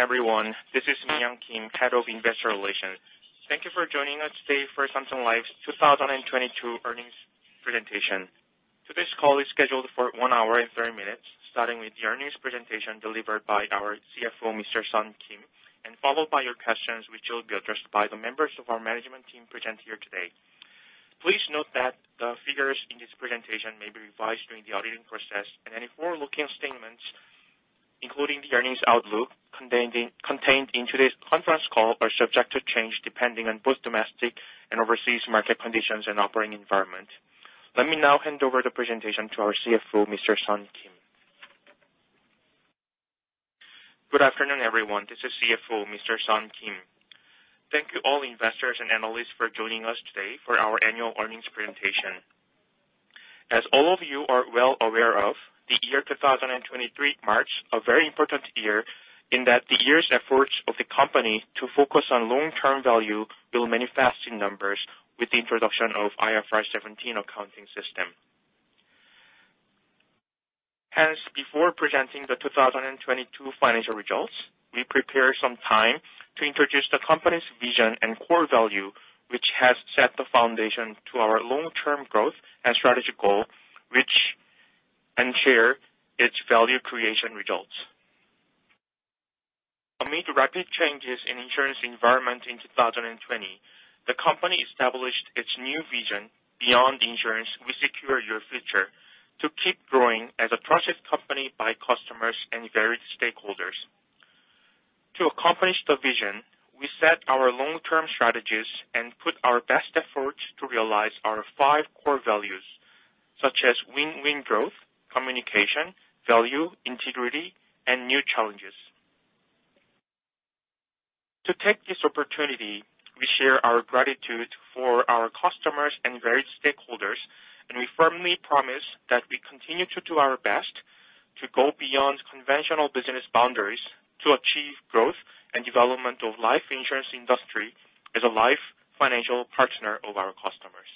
Good afternoon, everyone. This is Myung-Soo Kim, Head of Investor Relations. Thank you for joining us today for Samsung Life's 2022 earnings presentation. Today's call is scheduled for 1 hour and 30 minutes, starting with the earnings presentation delivered by our CFO, Mr. Sun Kim, and followed by your questions, which will be addressed by the members of our management team present here today. Please note that the figures in this presentation may be revised during the auditing process, and any forward-looking statements, including the earnings outlook contained in today's conference call, are subject to change depending on both domestic and overseas market conditions and operating environment. Let me now hand over the presentation to our CFO, Mr. Sun Kim. Good afternoon, everyone. This is CFO, Mr. Sun Kim. Thank you all investors and analysts for joining us today for our annual earnings presentation. As all of you are well aware of, the year 2023 marks a very important year in that the years' efforts of the company to focus on long-term value will manifest in numbers with the introduction of IFRS 17 accounting system. Before presenting the 2022 financial results, we prepare some time to introduce the company's vision and core value, which has set the foundation to our long-term growth and strategic goal, which ensure its value creation results. Amid rapid changes in insurance environment in 2020, the company established its new vision: Beyond insurance, we secure your future, to keep growing as a trusted company by customers and varied stakeholders. To accomplish the vision, we set our long-term strategies and put our best efforts to realize our five core values, such as win-win growth, communication, value, integrity, and new challenges. To take this opportunity, we share our gratitude for our customers and varied stakeholders. We firmly promise that we continue to do our best to go beyond conventional business boundaries to achieve growth and development of life insurance industry as a life financial partner of our customers.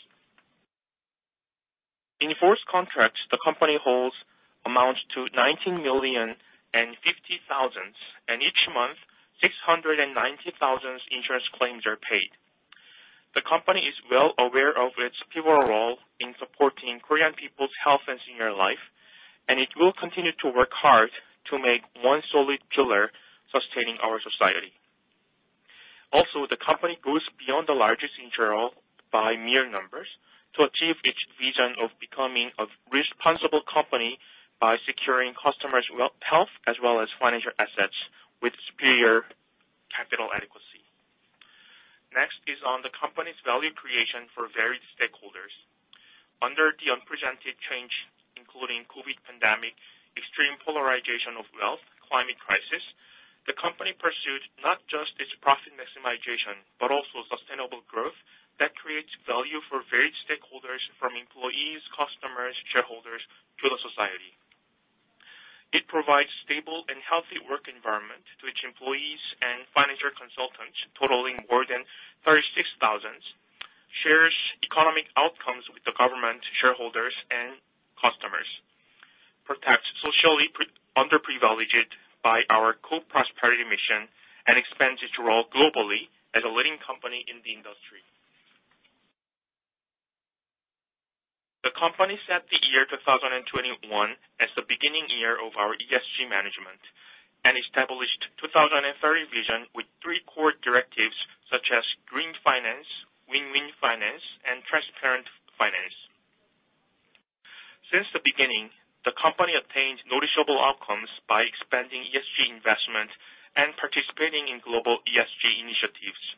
In force contracts, the company holds amounts to 19,050,000, each month, 690,000 insurance claims are paid. The company is well aware of its pivotal role in supporting Korean people's health and senior life. It will continue to work hard to make one solid pillar sustaining our society. Also, the company goes beyond the largest insurer by mere numbers to achieve its vision of becoming a responsible company by securing customers' health as well as financial assets with superior capital adequacy. Next is on the company's value creation for varied stakeholders. Under the unprecedented change, including COVID pandemic, extreme polarization of wealth, climate crisis, the company pursued not just its profit maximization, but also sustainable growth that creates value for varied stakeholders from employees, customers, shareholders to the society. It provides stable and healthy work environment to its employees and financial consultants, totaling more than 36,000, shares economic outcomes with the government, shareholders, and customers, protects socially underprivileged by our co-prosperity mission, and expands its role globally as a leading company in the industry. The company set the year 2021 as the beginning year of our ESG management and established 2030 vision with three core directives such as green finance, win-win finance, and transparent finance. Since the beginning, the company obtained noticeable outcomes by expanding ESG investment and participating in global ESG initiatives.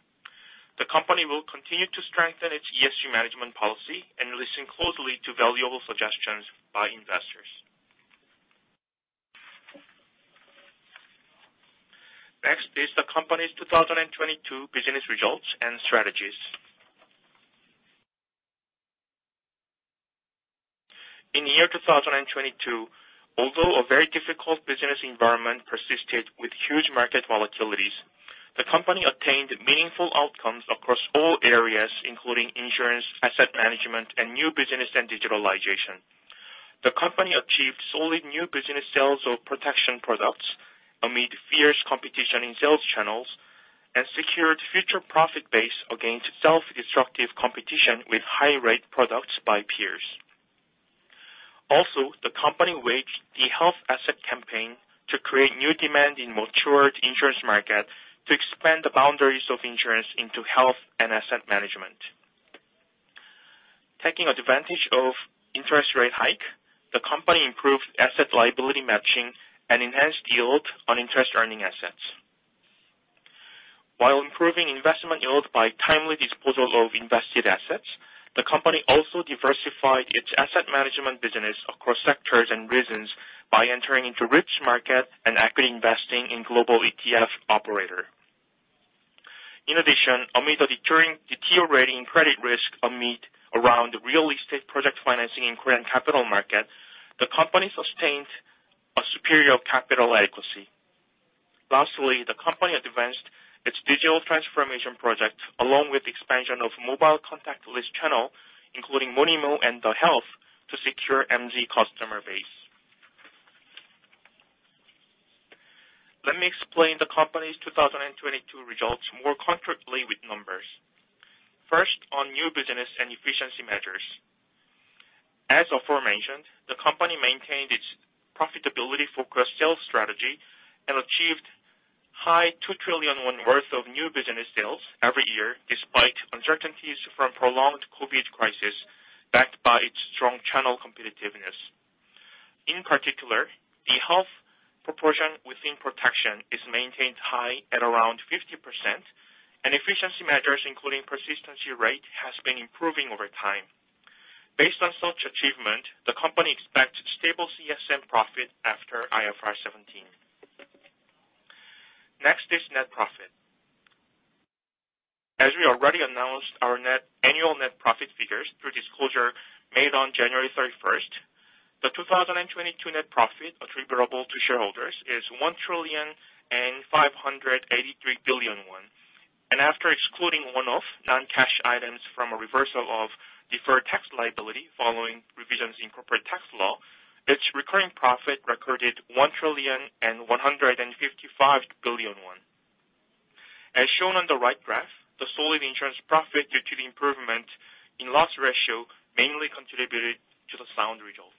The company will continue to strengthen its ESG management policy and listen closely to valuable suggestions by investors. Next is the company's 2022 business results and strategies. In the year 2022, although a very difficult business environment persisted with huge market volatilities, the company attained meaningful outcomes across all areas, including insurance, asset management, and new business and digitalization. The company achieved solid new business sales of protection products amid fierce competition in sales channels and secured future profit base against self-destructive competition with high rate products by peers. The company waged the health asset campaign to create new demand in matured insurance market to expand the boundaries of insurance into health and asset management. Taking advantage of interest rate hike, the company improved asset liability matching and enhanced yield on interest-earning assets. While improving investment yield by timely disposal of invested assets, the company also diversified its asset management business across sectors and regions by entering into REIT market and equity investing in global ETF operator. Amid the deteriorating credit risk amid around real estate project financing in Korean capital market, the company sustained a superior capital adequacy. The company advanced Information project, along with expansion of mobile contactless channel, including Monimo and The Health to secure MZ customer base. Let me explain the company's 2022 results more concretely with numbers. On new business and efficiency measures. The company maintained its profitability-focused sales strategy and achieved high 2 trillion won worth of new business sales every year, despite uncertainties from prolonged COVID crisis, backed by its strong channel competitiveness. In particular, the health proportion within protection is maintained high at around 50%, Efficiency measures, including persistency rate, has been improving over time. Based on such achievement, the company expects stable CSM profit after IFRS 17. Next is net profit. As we already announced our annual net profit figures through disclosure made on January 31st, the 2022 net profit attributable to shareholders is 1 trillion 583 billion. After excluding one-off non-cash items from a reversal of deferred tax liability following revisions in corporate tax law, its recurring profit recorded 1 trillion 155 billion. As shown on the right graph, the solid insurance profit due to the improvement in loss ratio mainly contributed to the sound result.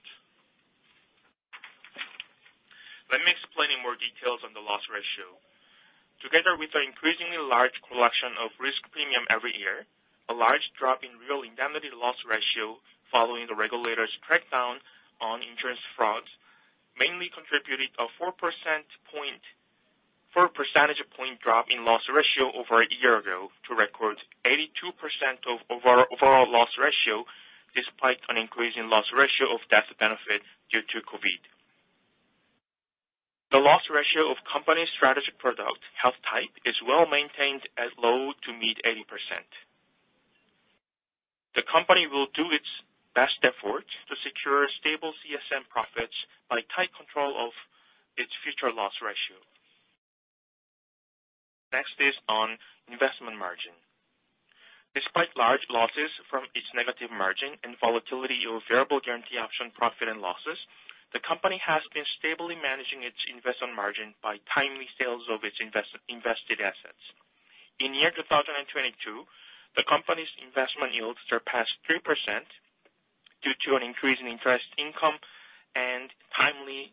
Let me explain in more details on the loss ratio. Together with the increasingly large collection of risk premium every year, a large drop in real indemnity loss ratio following the regulator's crackdown on insurance fraud, mainly contributed a 4 percentage point drop in loss ratio over a year ago to record 82% of overall loss ratio despite an increase in loss ratio of death benefit due to COVID. The loss ratio of company's strategic product, Health Type, is well-maintained at low to mid-80%. The company will do its best efforts to secure stable CSM profits by tight control of its future loss ratio. Next is on investment margin. Despite large losses from its negative margin and volatility over variable guarantee option profit and losses, the company has been stably managing its investment margin by timely sales of its invested assets. In year 2022, the company's investment yields surpassed 3% due to an increase in interest income and timely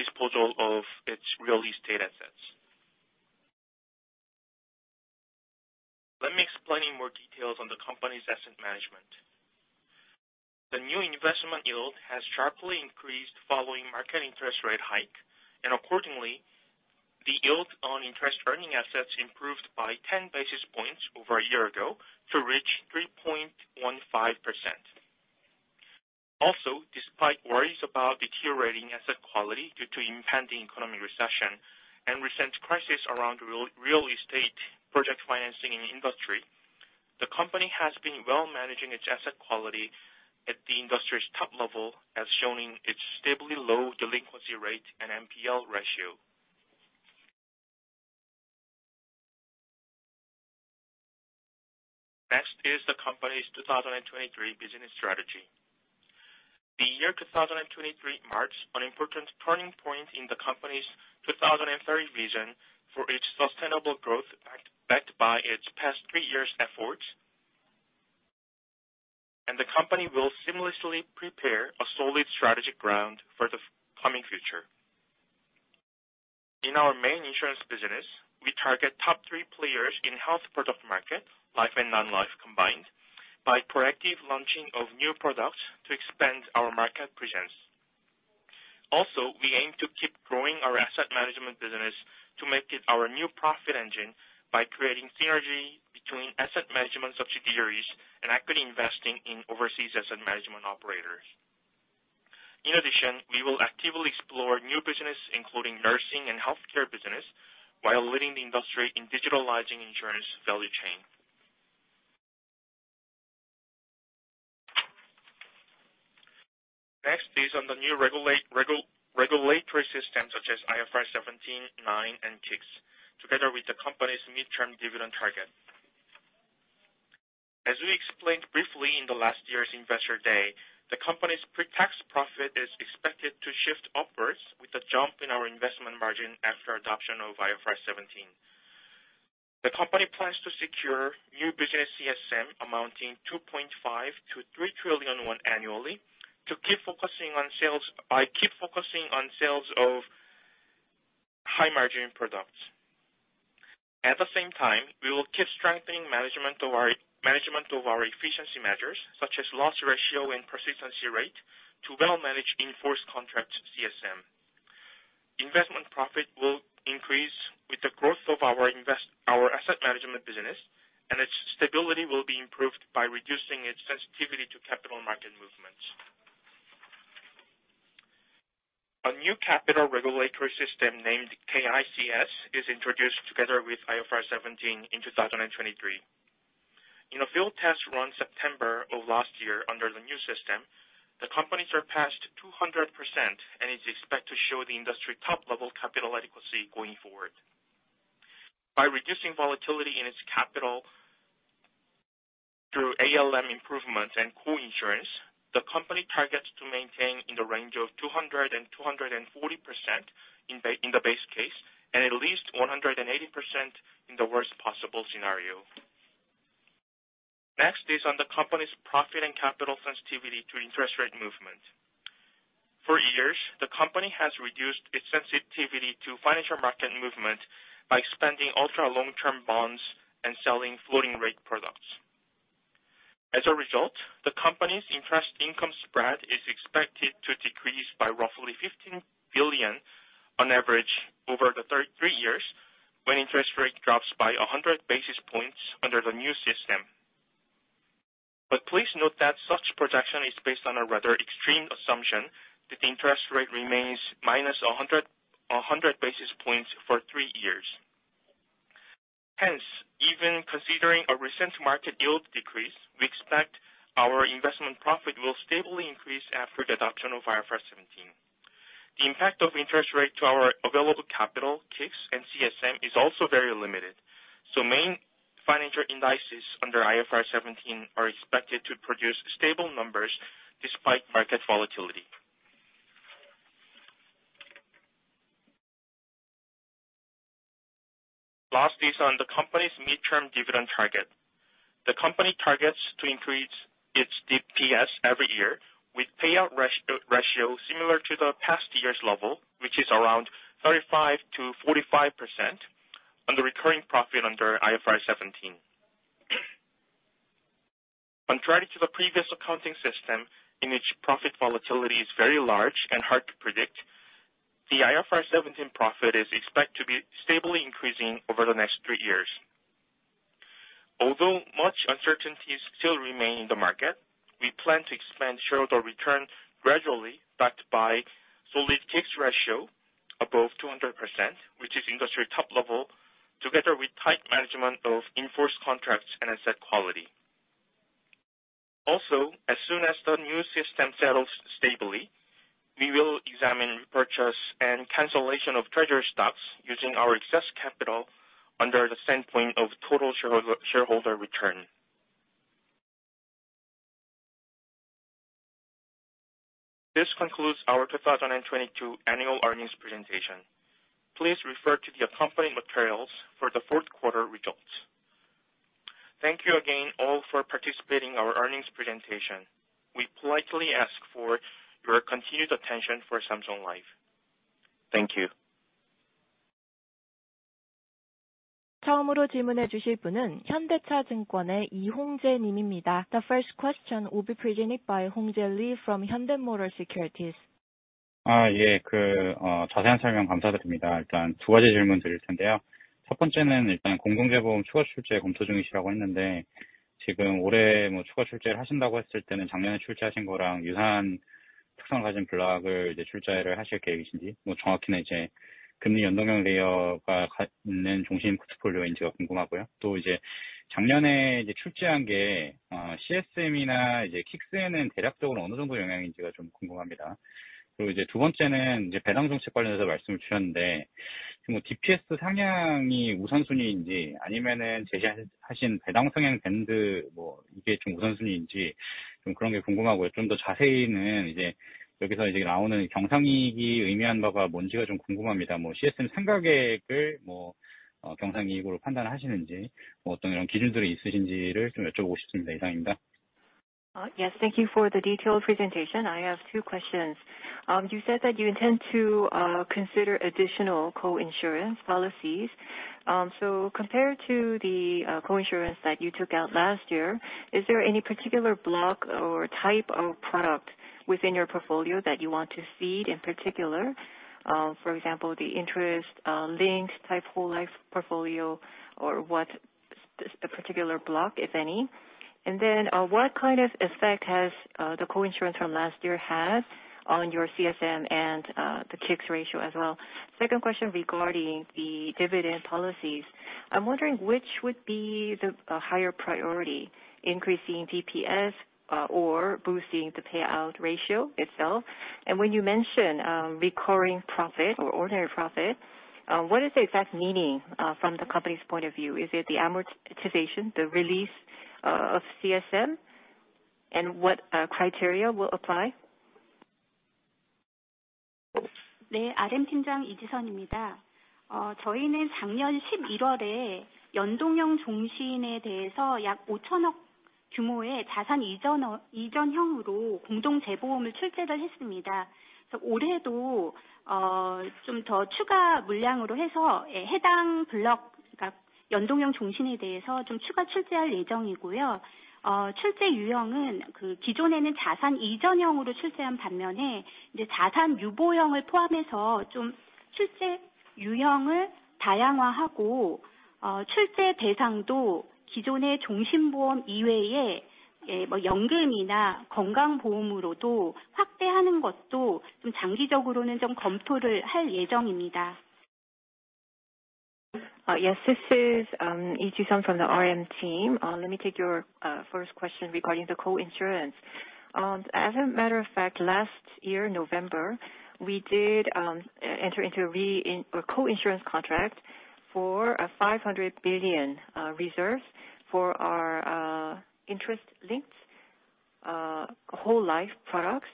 disposal of its real estate assets. Let me explain in more details on the company's asset management. The new investment yield has sharply increased following market interest rate hike. Accordingly, the yield on interest-earning assets improved by 10 basis points over a year ago to reach 3.15%. Despite worries about deteriorating asset quality due to impending economic recession and recent crisis around real estate project financing in the industry, the company has been well managing its asset quality at the industry's top level, as shown in its stably low delinquency rate and NPL ratio. Next is the company's 2023 business strategy. The year 2023 marks an important turning point in the company's 2030 vision for its sustainable growth backed by its past three years' efforts. The company will seamlessly prepare a solid strategic ground for the coming future. In our main insurance business, we target top three players in health product market, life and non-life combined, by proactive launching of new products to expand our market presence. We aim to keep growing our asset management business to make it our new profit engine by creating synergy between asset management subsidiaries and equity investing in overseas asset management operators. We will actively explore new business, including nursing and healthcare business, while leading the industry in digitalizing insurance value chain. Next is on the new regulatory systems such as IFRS 17, 9, and KICS, together with the company's midterm dividend target. As we explained briefly in the last year's Investor Day, the company's pre-tax profit is expected to shift upwards with a jump in our investment margin after adoption of IFRS 17. The company plans to secure new business CSM amounting 2.5 trillion-3 trillion won annually to keep focusing on sales of high-margin products. At the same time, we will keep strengthening management of our efficiency measures, such as loss ratio and persistency rate, to well manage in-force contract CSM. Investment profit will increase with the growth of our asset management business. Its stability will be improved by reducing its sensitivity to capital market movements. A new capital regulatory system named KICS is introduced together with IFRS 17 in 2023. Test run September of last year under the new system, the company surpassed 200% and is expected to show the industry top level capital adequacy going forward. By reducing volatility in its capital through ALM improvements and co-insurance, the company targets to maintain in the range of 200%-240% in the base case and at least 180% in the worst possible scenario. On the company's profit and capital sensitivity to interest rate movement. For years, the company has reduced its sensitivity to financial market movement by expanding ultra long term bonds and selling floating rate products. As a result, the company's interest income spread is expected to decrease by roughly 15 billion on average over the 33 years when interest rate drops by 100 basis points under the new system. Please note that such projection is based on a rather extreme assumption that the interest rate remains -100 basis points for 3 years. Hence, even considering a recent market yield decrease, we expect our investment profit will stably increase after the adoption of IFRS 17. The impact of interest rate to our available capital, KICS and CSM is also very limited. Main financial indices under IFRS 17 are expected to produce stable numbers despite market volatility. Last is on the company's midterm dividend target. The company targets to increase its DPS every year with payout ratio similar to the past year's level, which is around 35%-45% on the recurring profit under IFRS 17. Contrary to the previous accounting system, in which profit volatility is very large and hard to predict, the IFRS 17 profit is expected to be stably increasing over the next three years. Although much uncertainties still remain in the market, we plan to expand shareholder returns gradually, backed by solid KICS ratio above 200%, which is industry top level, together with tight management of in-force contracts and asset quality. As soon as the new system settles stably, we will examine repurchase and cancellation of treasury stocks using our excess capital under the standpoint of total shareholder return. This concludes our 2022 annual earnings presentation. Please refer to the accompanying materials for the fourth quarter results. Thank you again all for participating in our earnings presentation. We politely ask for your continued attention for Samsung Life. Thank you. The first question will be presented by Hu-Sul Lee from Hyundai Motor Securities. Yes. Thank you for the detailed presentation. I have two questions. You said that you intend to consider additional co-insurance policies. Compared to the co-insurance that you took out last year, is there any particular block or type of product within your portfolio that you want to see in particular? For example, the interest linked type whole life portfolio or what a particular block, if any. What kind of effect has the co-insurance from last year had on your CSM and the KICS ratio as well? Second question regarding the dividend policies. I'm wondering which would be the higher priority, increasing DPS or boosting the payout ratio itself. When you mention, recurring profit or ordinary profit, what is the exact meaning from the company's point of view? Is it the amortization, the release, of CSM, and what criteria will apply? Yes, thank you for the detailed presentation. I have two questions. You said that you intend to consider additional co-insurance policies. Compared to the co-insurance that you took out last year, is there any particular block or type of product within your portfolio that you want to see in particular? For example, the interest linked type whole life portfolio or what a particular block, if any. What kind of effect has the co-insurance from last year had on your CSM and the KICS ratio as well? Second question regarding the dividend policies. I'm wondering which would be the higher priority, increasing DPS or boosting the payout ratio itself. When you mention recurring profit or ordinary profit, what is the exact meaning from the company's point of view? Is it the amortization, the release, of CSM, and what criteria will apply? Yes, this is Lee Si-cheon from the RM team. Let me take your first question regarding the co-insurance. As a matter of fact, last year, November, we did enter into co-insurance contract for 500 billion reserves for our interest links whole life products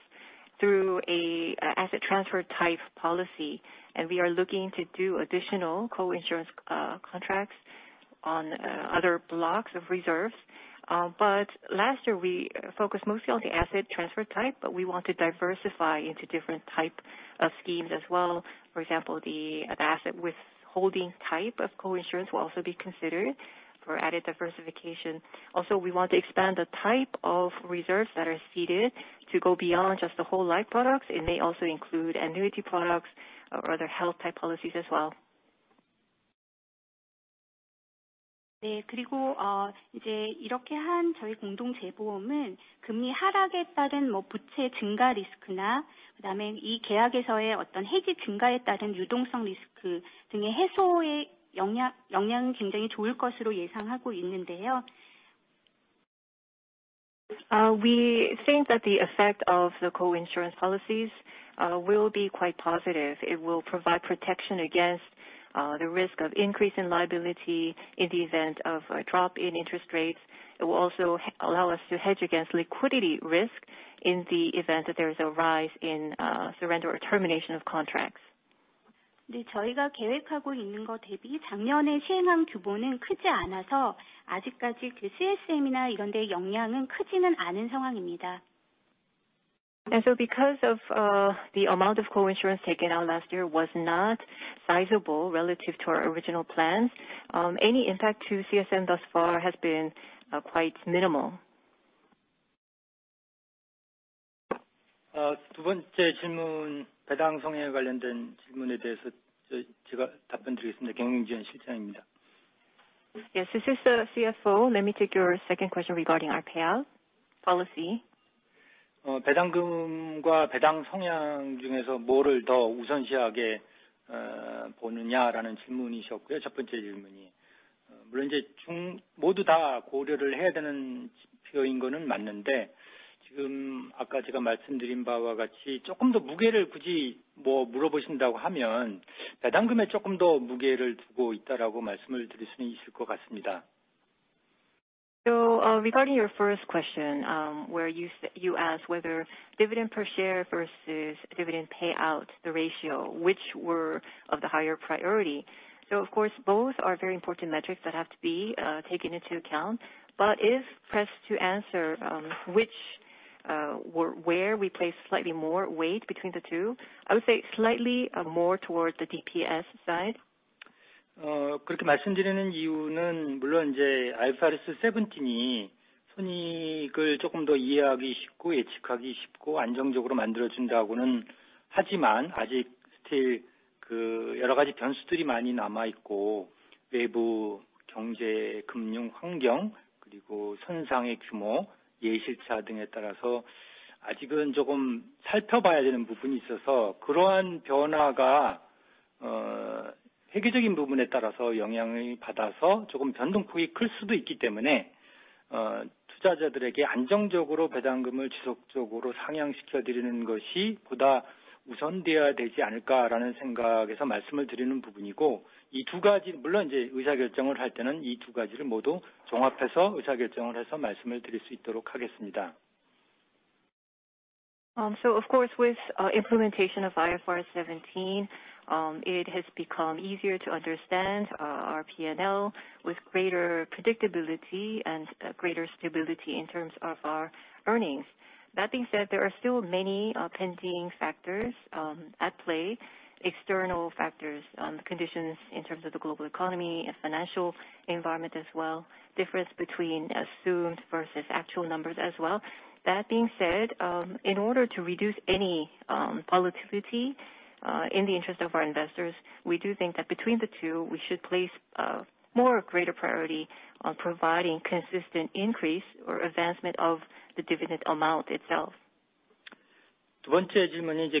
through a asset transfer type policy. We are looking to do additional co-insurance contracts on other blocks of reserves. Last year, we focused mostly on the asset transfer type, but we want to diversify into different type of schemes as well. For example, the asset withholding type of co-insurance will also be considered for added diversification. Also, we want to expand the type of reserves that are seeded to go beyond just the whole life products. It may also include annuity products or other Health Type policies as well. We think that the effect of the co-insurance policies will be quite positive. It will provide protection against the risk of increase in liability in the event of a drop in interest rates. It will also allow us to hedge against liquidity risk in the event that there is a rise in surrender or termination of contracts. Because of the amount of co-insurance taken out last year was not sizable relative to our original plans, any impact to CSM thus far has been quite minimal. Yes, this is the CFO. Let me take your second question regarding our payout policy. Regarding your first question, where you asked whether dividend per share versus dividend payout, the ratio, which were of the higher priority? Of course, both are very important metrics that have to be taken into account. If pressed to answer, which or where we place slightly more weight between the two, I would say slightly more towards the DPS side. Of course, with implementation of IFRS 17, it has become easier to understand our PNL with greater predictability and greater stability in terms of our earnings. That being said, there are still many pending factors at play. External factors, conditions in terms of the global economy and financial environment as well, difference between assumed versus actual numbers as well. That being said, in order to reduce any volatility, in the interest of our investors, we do think that between the two, we should place more greater priority on providing consistent increase or advancement of the dividend amount itself. Your next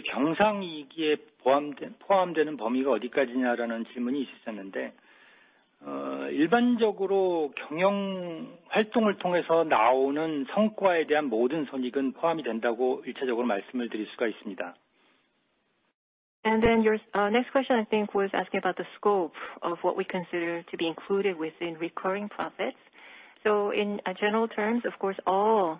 question I think was asking about the scope of what we consider to be included within recurring profits. In general terms, of course, all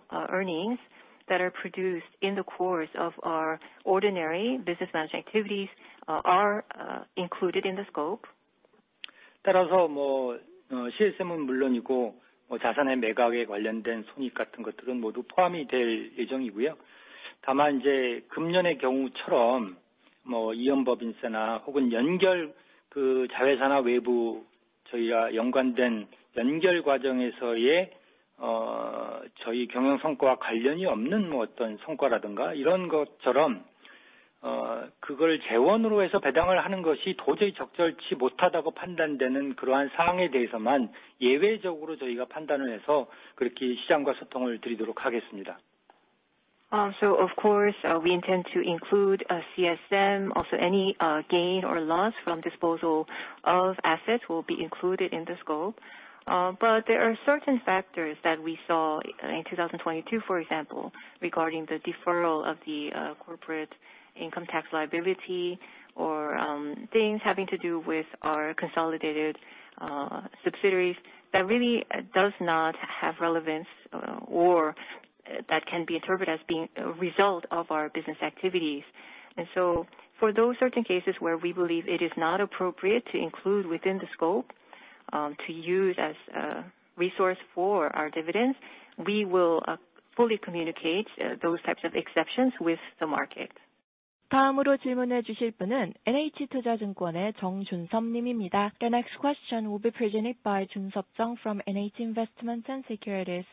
earnings that are produced in the course of our ordinary business management activities are included in the scope. Of course, we intend to include CSM, also any gain or loss from disposal of assets will be included in the scope. There are certain factors that we saw in 2022, for example, regarding the deferral of the corporate income tax liability or things having to do with our consolidated subsidiaries that really does not have relevance or that can be interpreted as being a result of our business activities. For those certain cases where we believe it is not appropriate to include within the scope, to use as a resource for our dividends, we will fully communicate those types of exceptions with the market. The next question will be presented by Young-Chae Jeong from NH Investment and Securities.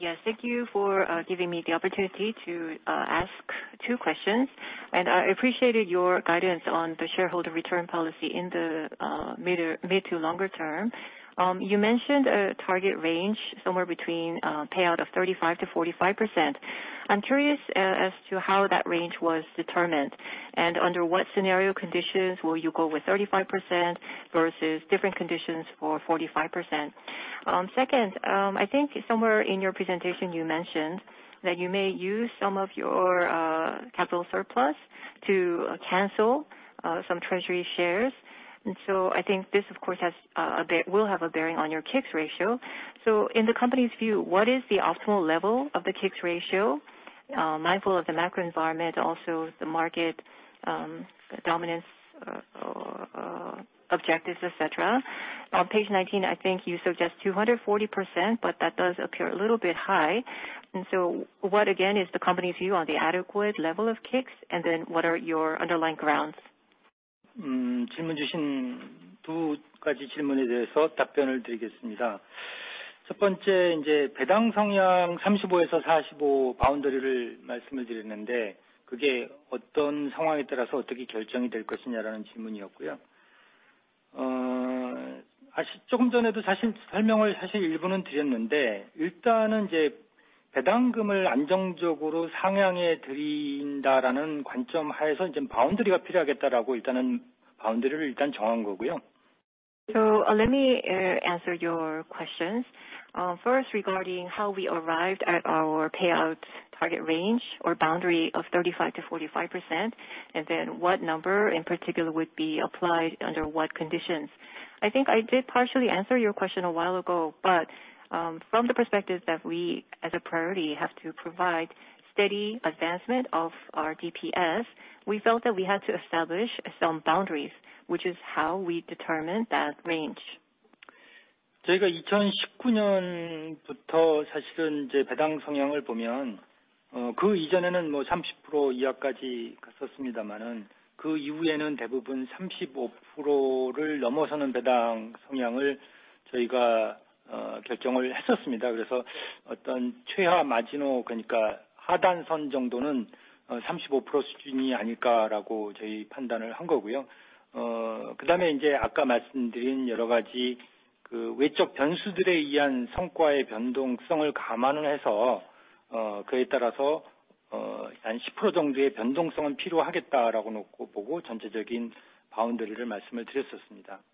Yes. Thank you for giving me the opportunity to ask two questions, and I appreciated your guidance on the shareholder return policy in the mid or mid to longer term. You mentioned a target range somewhere between payout of 35%-45%. I'm curious as to how that range was determined and under what scenario conditions will you go with 35% versus different conditions for 45%. Second, I think somewhere in your presentation you mentioned that you may use some of your capital surplus to cancel some treasury shares. I think this of course will have a bearing on your KICS ratio. In the company's view, what is the optimal level of the KICS ratio? Mindful of the macro environment, also the market dominance or objectives, et cetera. On page 19, I think you suggest 240%, that does appear a little bit high. What again is the company's view on the adequate level of KICS? What are your underlying grounds? Let me answer your questions. First, regarding how we arrived at our payout target range or boundary of 35%-45%, what number in particular would be applied under what conditions. I think I did partially answer your question a while ago, but from the perspective that we as a priority have to provide steady advancement of our DPS, we felt that we had to establish some boundaries, which is how we determined that range.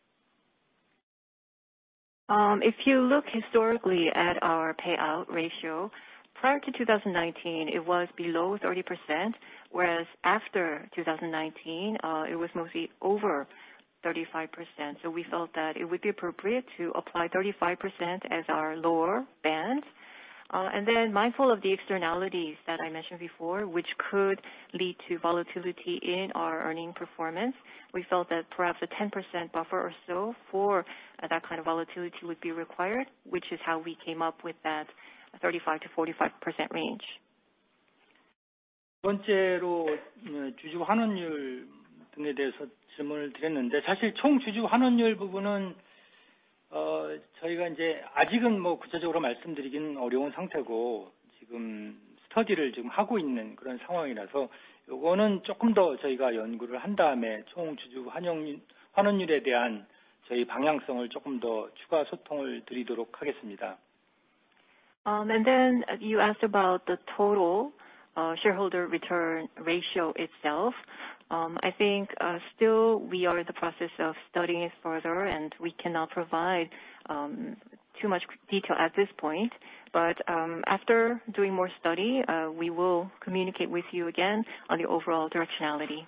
If you look historically at our payout ratio, prior to 2019, it was below 30%, whereas after 2019, it was mostly over 35%. We felt that it would be appropriate to apply 35% as our lower band. Mindful of the externalities that I mentioned before, which could lead to volatility in our earning performance, we felt that perhaps a 10% buffer or so for that kind of volatility would be required, which is how we came up with that 35%-45% range. You asked about the total shareholder return ratio itself. I think, still we are in the process of studying it further, and we cannot provide too much detail at this point. After doing more study, we will communicate with you again on the overall directionality.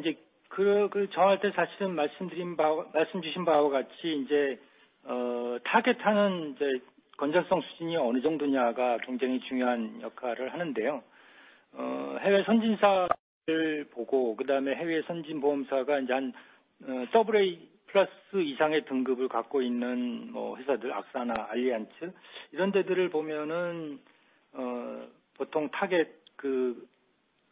이제 그 정할 때 사실은 말씀드린 바, 말씀해 주신 바와 같이 이제, 타겟하는 이제 건전성 수준이 어느 정도냐가 굉장히 중요한 역할을 하는데요. 해외 선진사를 보고 그다음에 해외 선진 보험사가 이제 한, AA+ 이상의 등급을 갖고 있는 뭐 회사들, AXA나 Allianz 이런 데들을 보면은, 보통 타겟 그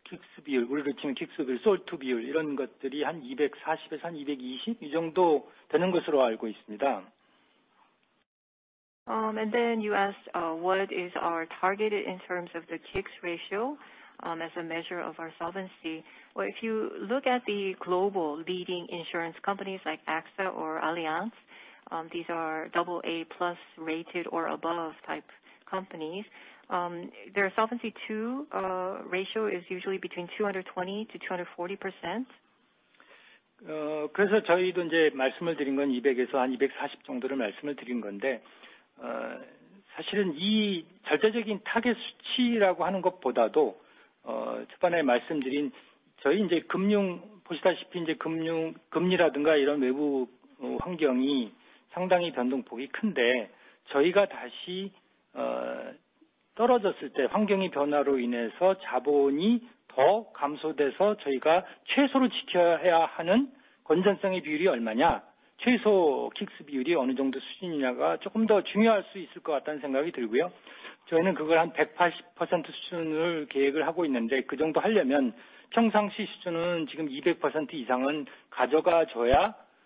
KICS 비율, 우리로 치면 KICS 비율, 솔투 비율 이런 것들이 한 240에서 한220이 정도 되는 것으로 알고 있습니다. You asked, what is our target in terms of the KICS ratio, as a measure of our solvency. Well, if you look at the global leading insurance companies like AXA or Allianz, these are AA+ rated or above type companies. Their Solvency II ratio is usually between 220%-240%. 그래서 저희도 이제 말씀을 드린 건 200에서 한240 정도를 말씀을 드린 건데, 사실은 이 절대적인 타겟 수치라고 하는 것보다도, 초반에 말씀드린 저희 이제 금융 보시다시피 이제 금융 금리라든가 이런 외부 환경이 상당히 변동폭이 큰데 저희가 다시 떨어졌을 때 환경의 변화로 인해서 자본이 더 감소돼서 저희가 최소로 지켜야 하는 건전성의 비율이 얼마냐, 최소 KICS 비율이 어느 정도 수준이냐가 조금 더 중요할 수 있을 것 같다는 생각이 들고요. 저희는 그걸 한 180% 수준을 계획을 하고 있는데 그 정도 하려면 평상시 수준은 지금 200% 이상은 가져가 줘야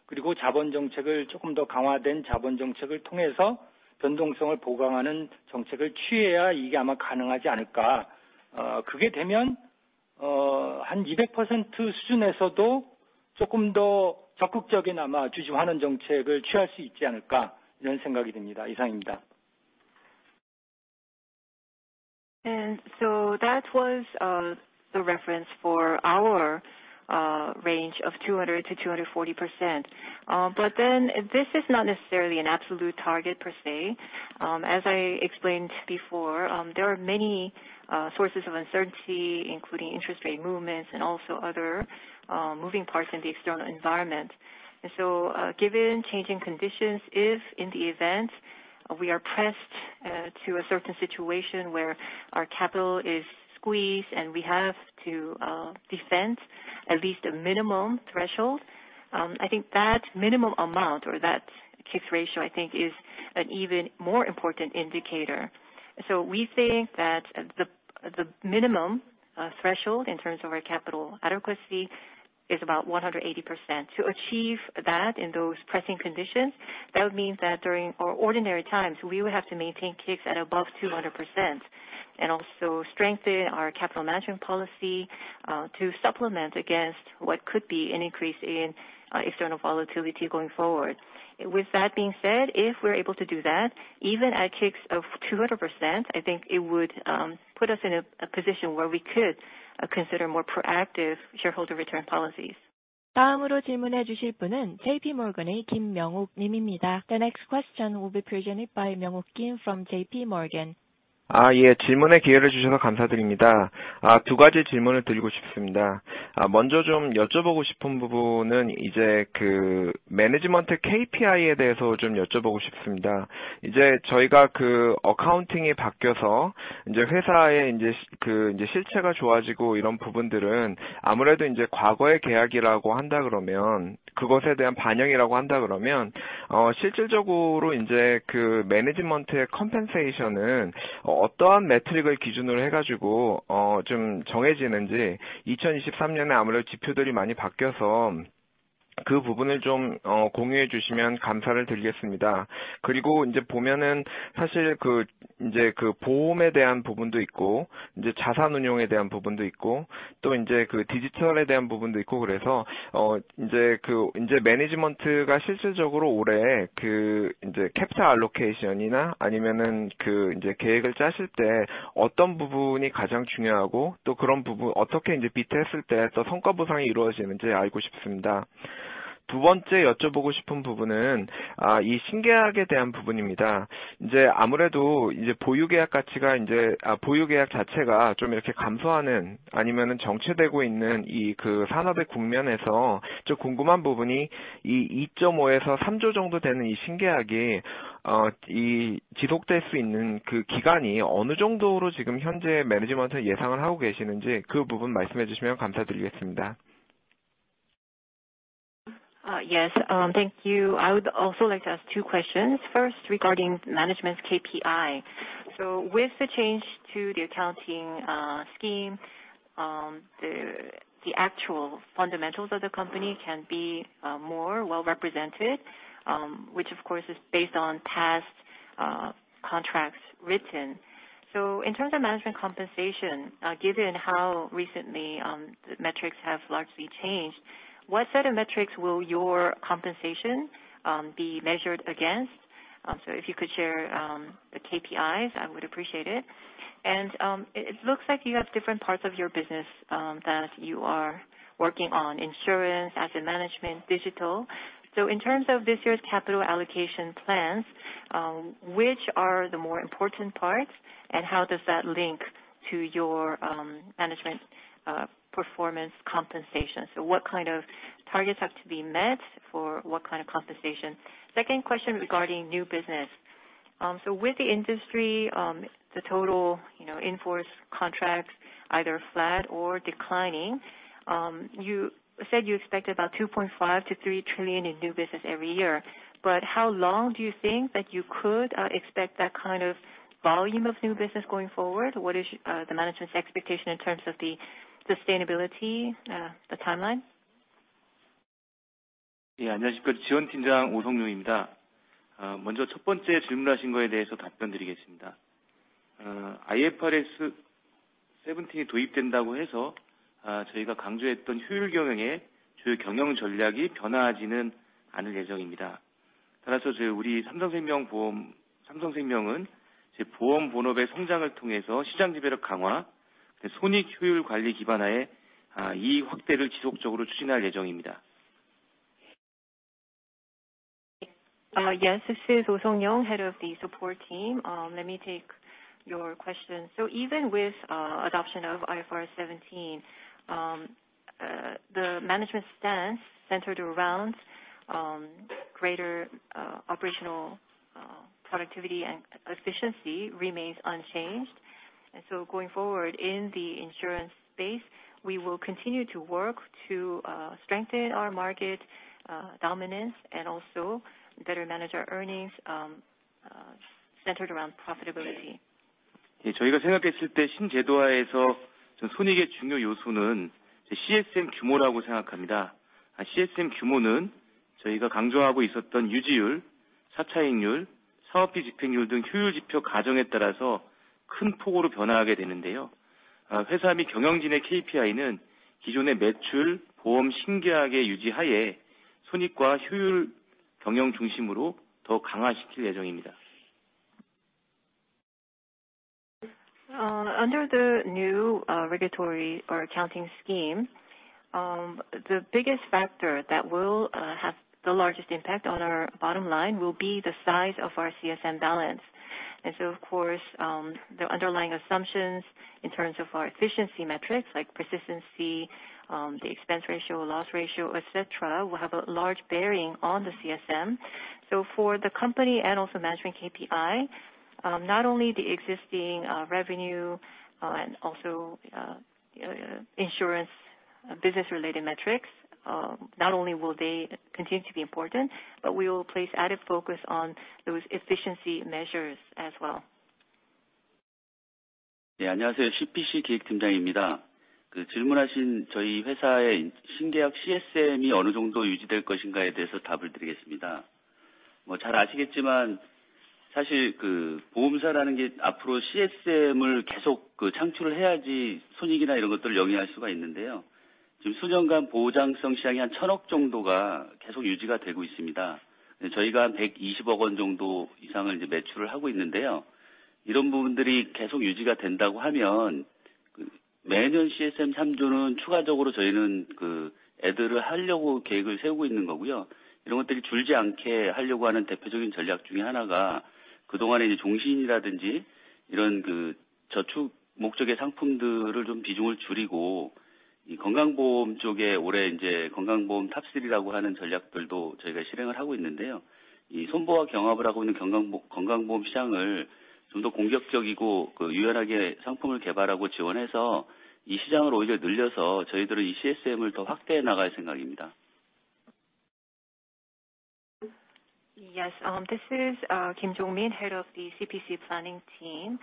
그리고 자본 정책을 조금 더 강화된 자본 정책을 통해서 변동성을 보강하는 정책을 취해야 이게 아마 가능하지 않을까. 그게 되면, 한 200% 수준에서도 조금 더 적극적인 아마 주주환원 정책을 취할 수 있지 않을까 이런 생각이 듭니다. 이상입니다. That was the reference for our range of 200%-240%. This is not necessarily an absolute target per se. As I explained before, there are many sources of uncertainty, including interest rate movements and also other moving parts in the external environment. Given changing conditions, if in the event we are pressed to a certain situation where our capital is squeezed and we have to defend at least a minimum threshold, I think that minimum amount or that KICS ratio, I think is an even more important indicator. We think that the minimum threshold in terms of our capital adequacy is about 180%. To achieve that in those pressing conditions, that would mean that during our ordinary times, we would have to maintain KICS at above 200% and also strengthen our capital management policy to supplement against what could be an increase in external volatility going forward. With that being said, if we're able to do that, even at KICS of 200%, I think it would put us in a position where we could consider more proactive shareholder return policies. 다음으로 질문해 주실 분은 JP Morgan의 김명욱 님입니다. The next question will be presented by Myung Wook Kim from JPMorgan. 예. 질문의 기회를 주셔서 감사드립니다. 두 가지 질문을 드리고 싶습니다. 먼저 좀 여쭤보고 싶은 부분은 이제 그 management KPI에 대해서 좀 여쭤보고 싶습니다. 이제 저희가 그 accounting이 바뀌어서 이제 회사의 이제 그, 이제 실체가 좋아지고 이런 부분들은 아무래도 이제 과거의 계약이라고 한다 그러면 그것에 대한 반영이라고 한다 그러면, 실질적으로 이제 그 management의 compensation은 어떠한 metric을 기준으로 해가지고, 좀 정해지는지. 2023년에 아무래도 지표들이 많이 바뀌어서 그 부분을 좀, 공유해 주시면 감사를 드리겠습니다. 그리고 이제 보면은 사실 그, 이제 그 보험에 대한 부분도 있고, 이제 자산운용에 대한 부분도 있고, 또 이제 그 디지털에 대한 부분도 있고 그래서, 이제 그, 이제 management가 실질적으로 올해 그 이제 capitallocation이나 아니면은 그 이제 계획을 짜실 때 어떤 부분이 가장 중요하고 또 그런 부분 어떻게 이제 meet 했을 때더 성과보상이 이루어지는지 알고 싶습니다. 두 번째 여쭤보고 싶은 부분은, 이 신계약에 대한 부분입니다. 이제 아무래도 이제 보유계약 가치가 이제, 아, 보유계약 자체가 좀 이렇게 감소하는 아니면은 정체되고 있는 이그 산업의 국면에서 좀 궁금한 부분이 이 이점오에서 삼조 정도 되는 이 신계약이, uh, 이 지속될 수 있는 그 기간이 어느 정도로 지금 현재 management는 예상을 하고 계시는지 그 부분 말씀해 주시면 감사드리겠습니다. Yes. Thank you. I would also like to ask two questions. First, regarding management's KPI. With the change to the accounting scheme, the actual fundamentals of the company can be more well represented, which of course is based on past contracts written. In terms of management compensation, given how recently the metrics have largely changed, what set of metrics will your compensation be measured against? If you could share the KPIs, I would appreciate it. It looks like you have different parts of your business that you are working on, insurance, asset management, digital. In terms of this year's capital allocation plans, which are the more important parts, and how does that link to your management performance compensation? What kind of targets have to be met for what kind of compensation? Second question regarding new business. With the industry, the total, you know, in-force contracts either flat or declining, you said you expected about 2.5 trillion-3 trillion in new business every year. How long do you think that you could expect that kind of volume of new business going forward? What is the management's expectation in terms of the sustainability, the timeline? Yeah. Yes, this is the head of the support team. Let me take your question. Even with adoption of IFRS 17, the management stance centered around greater operational productivity and efficiency remains unchanged. Going forward in the insurance space, we will continue to work to strengthen our market dominance and also better manage our earnings centered around profitability. Under the new regulatory or accounting scheme, the biggest factor that will have the largest impact on our bottom line will be the size of our CSM balance. Of course, the underlying assumptions in terms of our efficiency metrics like persistency, the expense ratio, loss ratio, et cetera, will have a large bearing on the CSM. So for the company and also management KPI, not only the existing revenue and also insurance business-related metrics, not only will they continue to be important, but we will place added focus on those efficiency measures as well. Yes. This is Kim Jong Min, head of the CPC planning team.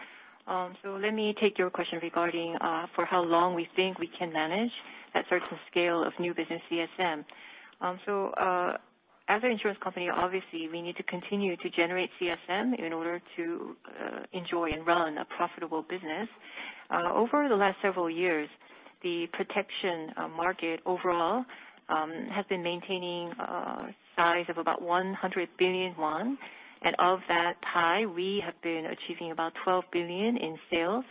Let me take your question regarding for how long we think we can manage that certain scale of new business CSM. As an insurance company, obviously, we need to continue to generate CSM in order to enjoy and run a profitable business. Over the last several years, the protection market overall has been maintaining a size of about 100 billion won. Of that pie, we have been achieving about 12 billion in sales.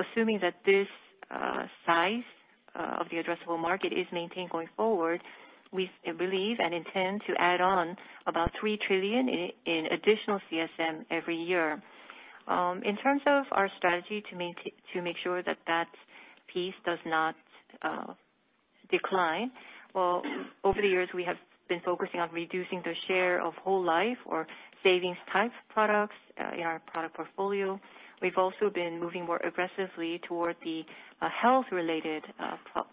Assuming that this size of the addressable market is maintained going forward, we believe and intend to add on about 3 trillion in additional CSM every year. In terms of our strategy to make sure that that piece does not decline, well, over the years, we have been focusing on reducing the share of whole life or savings type products in our product portfolio. We've also been moving more aggressively toward the health-related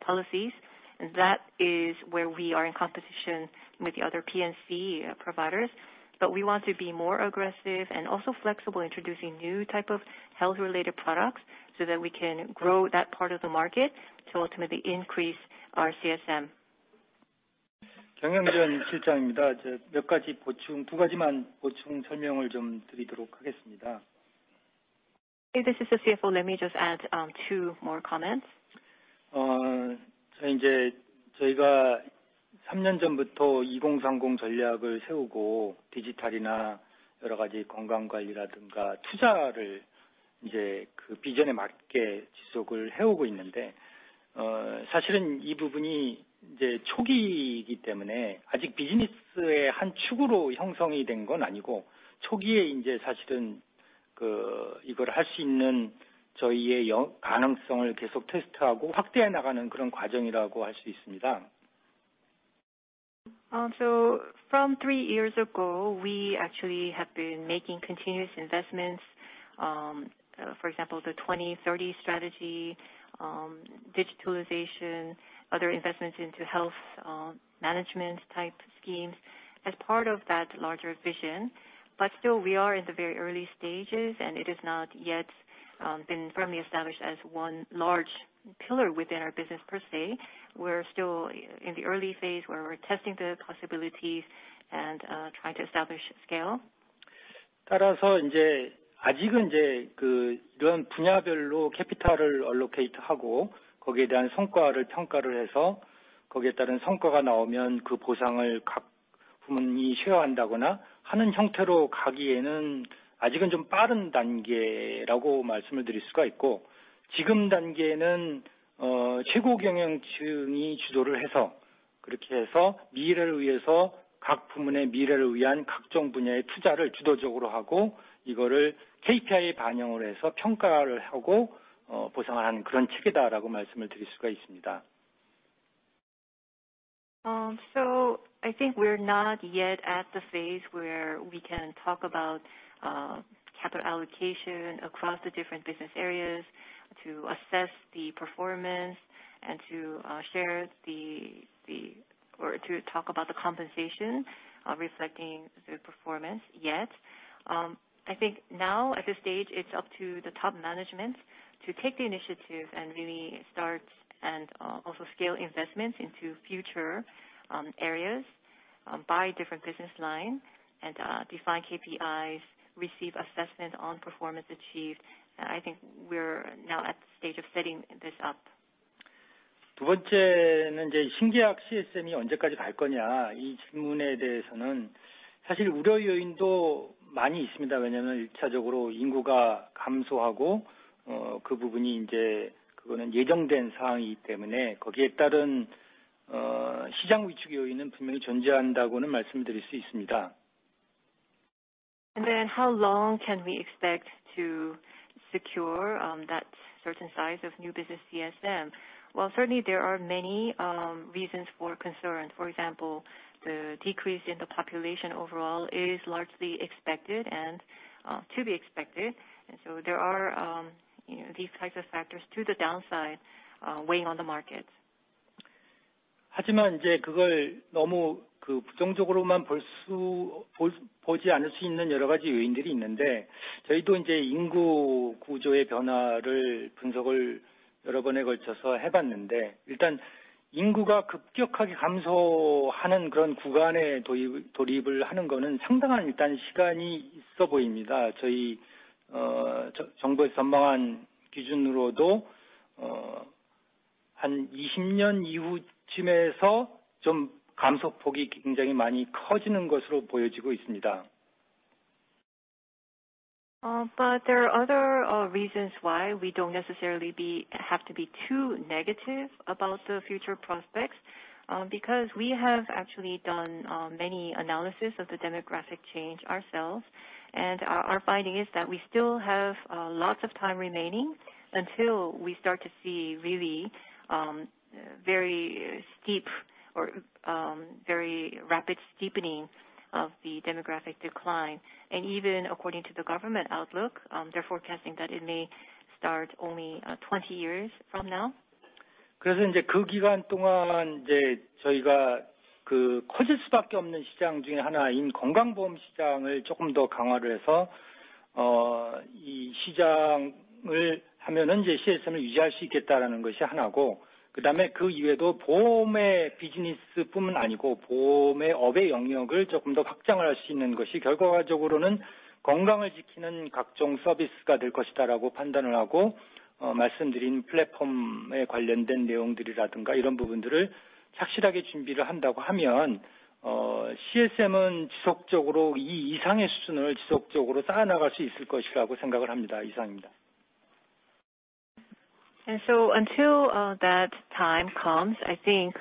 policies, and that is where we are in competition with the other P&C providers. We want to be more aggressive and also flexible, introducing new type of health-related products so that we can grow that part of the market to ultimately increase our CSM. This is the CFO. Let me just add two more comments. From three years ago, we actually have been making continuous investments, for example, the twenty thirty strategy, digitalization, other investments into health management type schemes as part of that larger vision. Still we are in the very early stages, and it has not yet been firmly established as one large pillar within our business per se. We're still in the early phase where we're testing the possibilities and trying to establish scale. I think we're not yet at the phase where we can talk about capital allocation across the different business areas to assess the performance and to share the, or to talk about the compensation reflecting the performance yet. I think now at this stage, it's up to the top management to take the initiative and really start and also scale investments into future areas by different business lines and define KPIs, receive assessment on performance achieved. I think we're now at the stage of setting this up. How long can we expect to secure that certain size of new business CSM? Certainly there are many reasons for concern. For example, the decrease in the population overall is largely expected and to be expected. There are, you know, these types of factors to the downside weighing on the markets. There are other reasons why we don't necessarily have to be too negative about the future prospects because we have actually done many analysis of the demographic change ourselves. Our finding is that we still have lots of time remaining until we start to see really very steep or very rapid steepening of the demographic decline. Even according to the government outlook, they're forecasting that it may start only 20 years from now. until that time comes, I think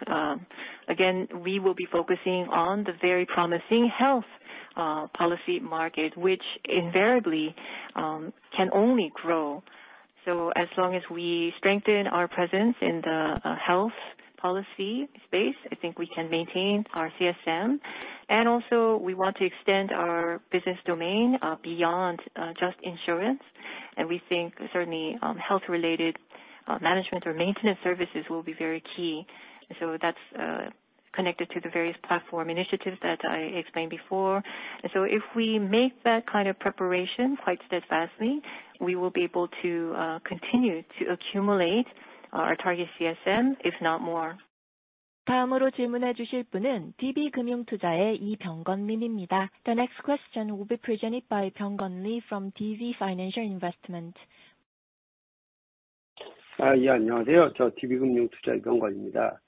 again, we will be focusing on the very promising health policy market, which invariably can only grow. as long as we strengthen our presence in the health policy space, I think we can maintain our CSM. also we want to extend our business domain beyond just insurance. we think certainly health-related management or maintenance services will be very key. that's connected to the various platform initiatives that I explained before. if we make that kind of preparation quite steadfastly, we will be able to continue to accumulate our target CSM, if not more. 다음으로 질문해 주실 분은 DB금융투자의 이병건 님입니다. The next question will be presented by Byung-gun Lee from DB Financial Investment. 안녕하세요. 저 DB Financial Investment Byong-gun Lee입니다.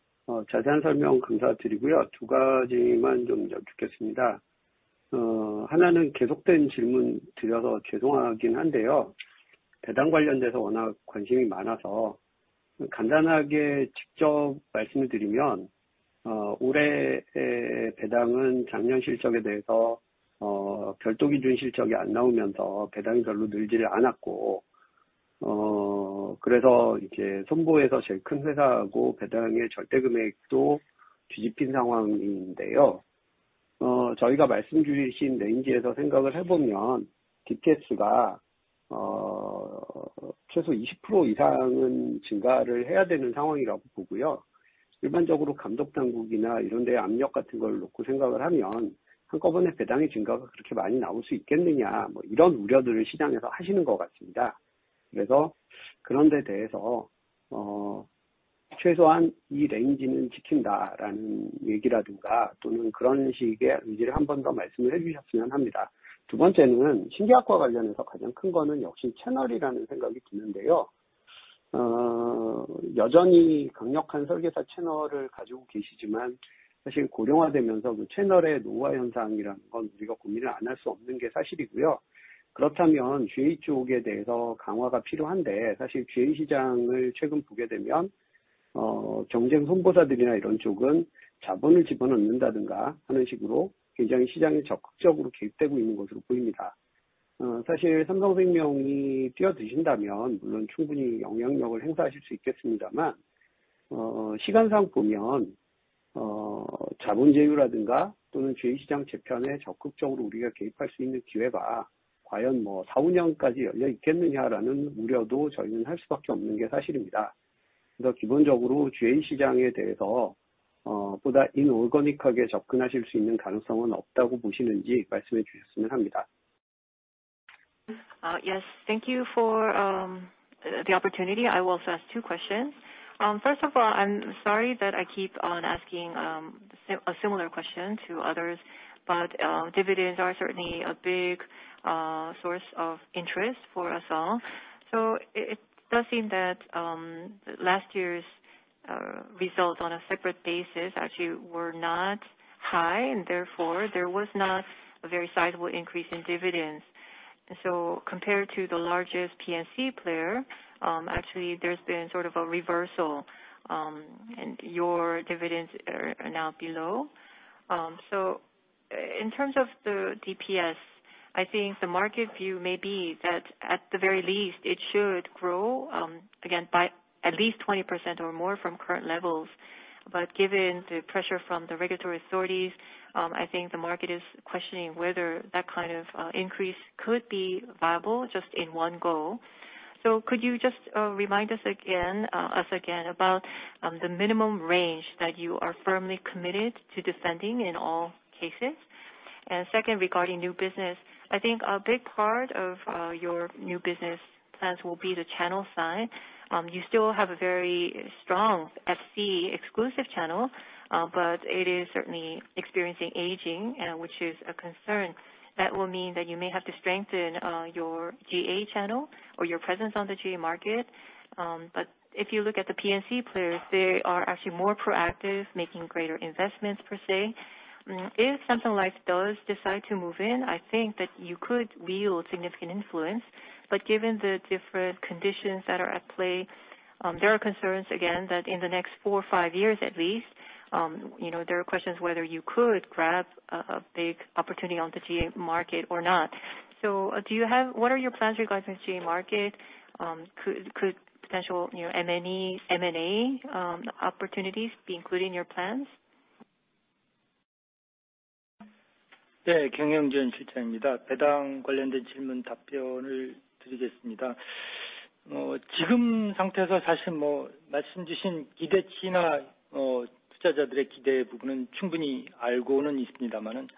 자세한 설명 감사드리고요. 두 가지만 좀 여쭙겠습니다. 하나는 계속된 질문 드려서 죄송하긴 한데요. 배당 관련돼서 워낙 관심이 많아서 간단하게 직접 말씀을 드리면, 올해의 배당은 작년 실적에 대해서, 별도 기준 실적이 안 나오면서 배당이 별로 늘지를 않았고, 그래서 이제 Sonbo에서 제일 큰 회사고 배당의 절대 금액도 뒤집힌 상황인데요. 저희가 말씀 주신 레인지에서 생각을 해보면 DPS가, 최소 20% 이상은 증가를 해야 되는 상황이라고 보고요. 일반적으로 감독당국이나 이런 데 압력 같은 걸 놓고 생각을 하면 한꺼번에 배당의 증가가 그렇게 많이 나올 수 있겠느냐, 뭐, 이런 우려들을 시장에서 하시는 것 같습니다. 그런 데 대해서, 최소한 이 레인지는 지킨다라는 얘기라든가, 또는 그런 식의 의지를 한번더 말씀을 해주셨으면 합니다. 두 번째는 신규학과 관련해서 가장 큰 거는 역시 채널이라는 생각이 드는데요. 어, 여전히 강력한 설계사 채널을 가지고 계시지만, 사실 고령화되면서 그 채널의 노화 현상이라는 건 우리가 고민을 안할수 없는 게 사실이고요. 그렇다면 GA 쪽에 대해서 강화가 필요한데 사실 GA 시장을 최근 보게 되면, 어, 경쟁 선보사들이나 이런 쪽은 자본을 집어넣는다든가 하는 식으로 굉장히 시장에 적극적으로 개입되고 있는 것으로 보입니다. 어, 사실 삼성생명이 뛰어드신다면 물론 충분히 영향력을 행사하실 수 있겠습니다만, 어, 시간상 보면, 어, 자본제휴라든가 또는 GA 시장 재편에 적극적으로 우리가 개입할 수 있는 기회가 과연 뭐 사, 오년까지 열려 있겠느냐라는 우려도 저희는 할 수밖에 없는 게 사실입니다. 그래서 기본적으로 GA 시장에 대해서, 어, 보다 inorganic하게 접근하실 수 있는 가능성은 없다고 보시는지 말씀해 주셨으면 합니다. Yes. Thank you for the opportunity. I will ask two questions. First of all, I'm sorry that I keep on asking a similar question to others, but dividends are certainly a big source of interest for us all. It does seem that last year's results on a separate basis actually were not high, and therefore there was not a very sizable increase in dividends. Compared to the largest P&C player, actually there's been sort of a reversal, and your dividends are now below. In terms of the DPS, I think the market view may be that at the very least, it should grow again by at least 20% or more from current levels. Given the pressure from the regulatory authorities, I think the market is questioning whether that kind of increase could be viable just in one go. Could you just remind us again about the minimum range that you are firmly committed to defending in all cases? Second, regarding new business, I think a big part of your new business plans will be the channel side. You still have a very strong FC exclusive channel, but it is certainly experiencing aging, which is a concern. That will mean that you may have to strengthen your GA channel or your presence on the GA market. If you look at the P&C players, they are actually more proactive, making greater investments, per se. If Samsung Life does decide to move in, I think that you could wield significant influence. Given the different conditions that are at play, there are concerns again that in the next four or five years at least, you know, there are questions whether you could grab a big opportunity on the GA market or not. What are your plans regarding GA market? Could potential, you know, M&A opportunities be included in your plans? 네, 경영진 실장입니다. 배당 관련된 질문 답변을 드리겠습니다. 지금 상태에서 사실 뭐 말씀주신 기대치나, 투자자들의 기대 부분은 충분히 알고는 있습니다마는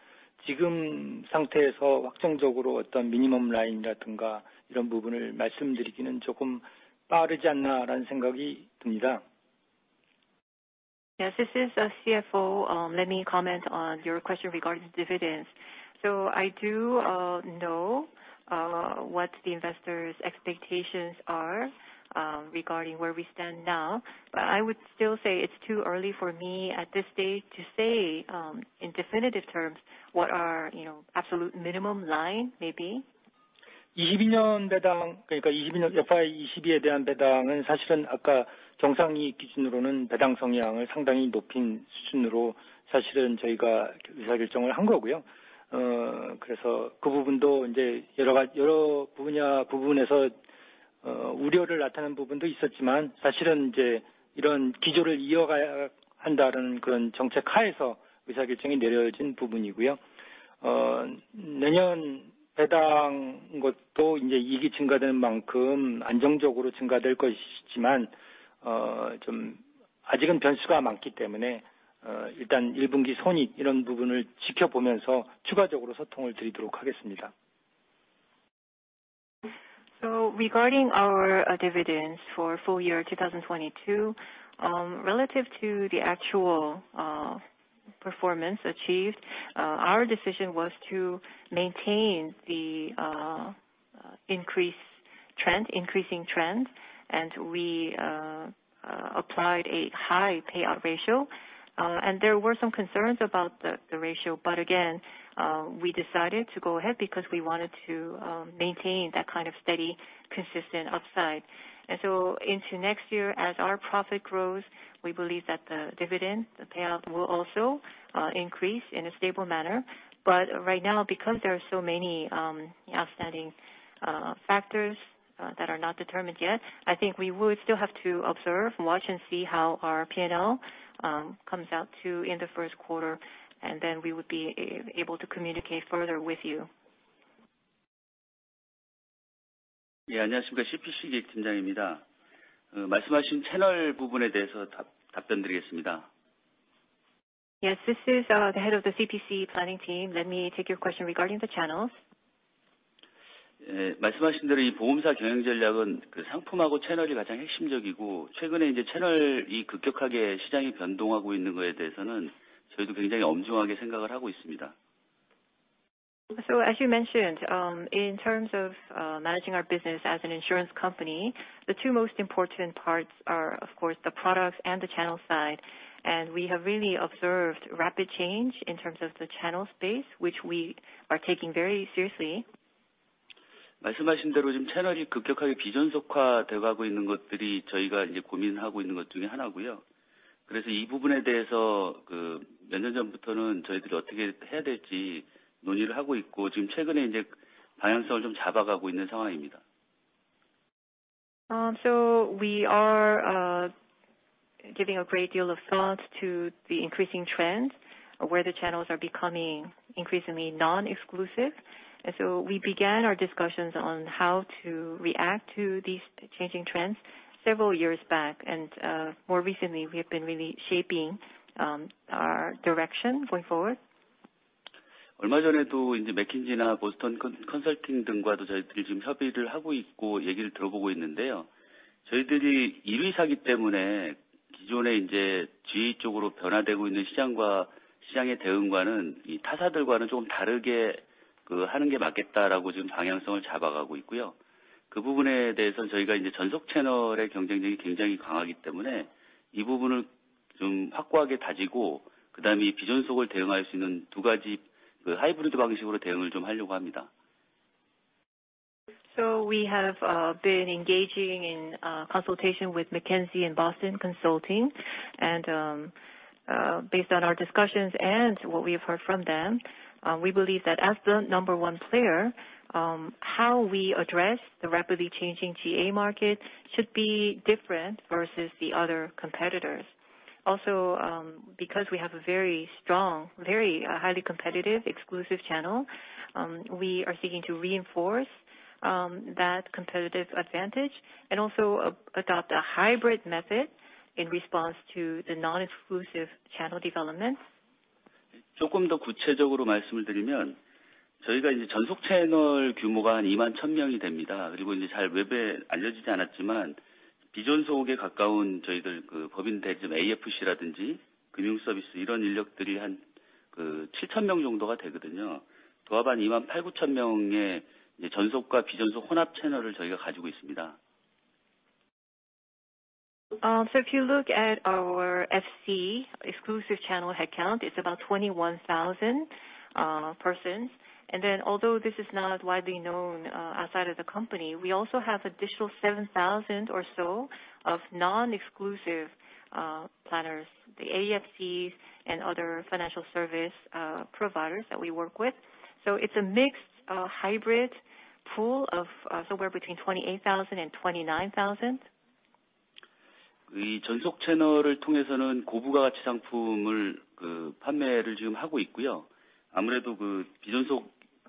지금 상태에서 확정적으로 어떤 minimum line라든가 이런 부분을 말씀드리기는 조금 빠르지 않나라는 생각이 듭니다. Yes, this is a CFO. Let me comment on your question regarding dividends. I do know what the investors' expectations are regarding where we stand now, but I would still say it's too early for me at this stage to say in definitive terms what our, you know, absolute minimum line may be. 2022년 배당, 그러니까 2022년, FY 2022에 대한 배당은 사실은 아까 정상 이익 기준으로는 배당 성향을 상당히 높인 수준으로 사실은 저희가 의사결정을 한 거고요. 그래서 그 부분도 이제 여러 분야, 부분에서 우려를 나타낸 부분도 있었지만, 사실은 이제 이런 기조를 이어가야 한다는 그런 정책하에서 의사결정이 내려진 부분이고요. 내년 배당 것도 이제 이익이 증가되는 만큼 안정적으로 증가될 것이지만, 좀 아직은 변수가 많기 때문에, 일단 1Q 손익 이런 부분을 지켜보면서 추가적으로 소통을 드리도록 하겠습니다. Regarding our dividends for full year 2022, relative to the actual performance achieved, our decision was to maintain the increasing trend, and we applied a high payout ratio. There were some concerns about the ratio, but again, we decided to go ahead because we wanted to maintain that kind of steady, consistent upside. Into next year, as our profit grows, we believe that the dividend, the payout will also increase in a stable manner. Right now, because there are so many outstanding factors that are not determined yet, I think we would still have to observe, watch and see how our P&L comes out in the first quarter, and then we would be able to communicate further with you. Yeah. Yes. This is the head of the CPC Planning Team. Let me take your question regarding the channels. As you mentioned, in terms of managing our business as an insurance company, the two most important parts are, of course, the products and the channel side. We have really observed rapid change in terms of the channel space, which we are taking very seriously. We are giving a great deal of thought to the increasing trends where the channels are becoming increasingly non-exclusive. We began our discussions on how to react to these changing trends several years back. More recently, we have been really shaping our direction going forward. We have been engaging in consultation with McKinsey and Boston Consulting. Based on our discussions and what we have heard from them, we believe that as the number one player, how we address the rapidly changing GA market should be different versus the other competitors. Also, because we have a very strong, very highly competitive exclusive channel, we are seeking to reinforce that competitive advantage and also adopt a hybrid method in response to the non-exclusive channel developments. If you look at our FC exclusive channel headcount, it's about 21,000 persons. Although this is not widely known outside of the company, we also have additional 7,000 or so of non-exclusive planners, the AFCs and other financial service providers that we work with. It's a mixed hybrid pool of somewhere between 28,000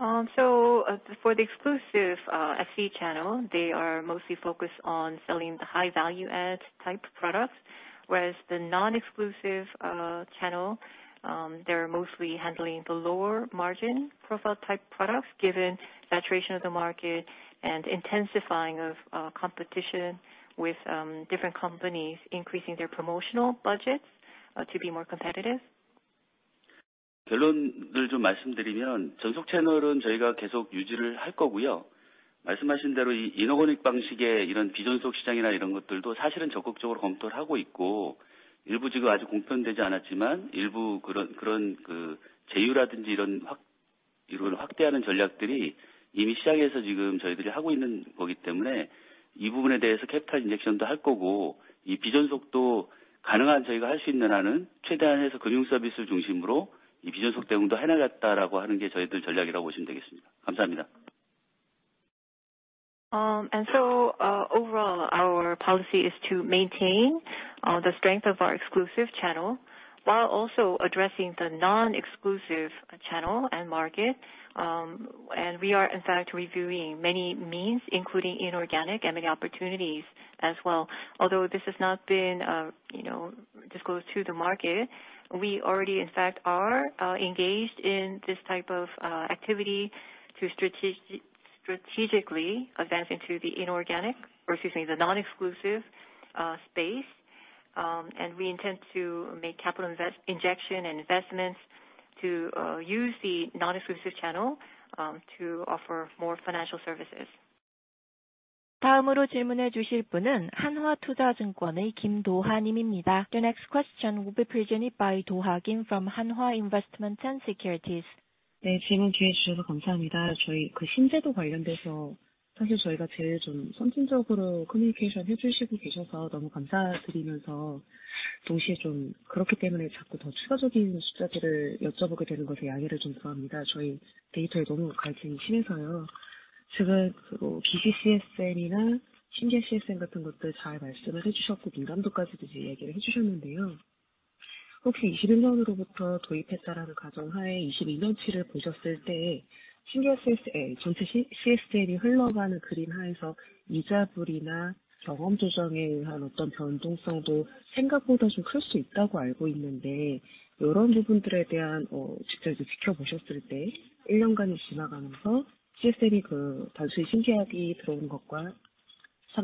and 29,000. For the exclusive FC channel, they are mostly focused on selling the high value add type products. Whereas the non-exclusive channel, they're mostly handling the lower margin profile type products given saturation of the market and intensifying of competition with different companies increasing their promotional budgets to be more competitive. Overall, our policy is to maintain the strength of our exclusive channel while also addressing the non-exclusive channel and market. We are in fact reviewing many means, including inorganic and many opportunities as well. Although this has not been, you know, disclosed to the market, we already in fact are engaged in this type of activity to strategically advance into the inorganic, or excuse me, the non-exclusive space. We intend to make capital investments to use the non-exclusive channel to offer more financial services. The next question will be presented by Dong-Kwan Kim from Hanwha Investment & Securities. Yes. Thank you for the opportunity to ask. First, I would like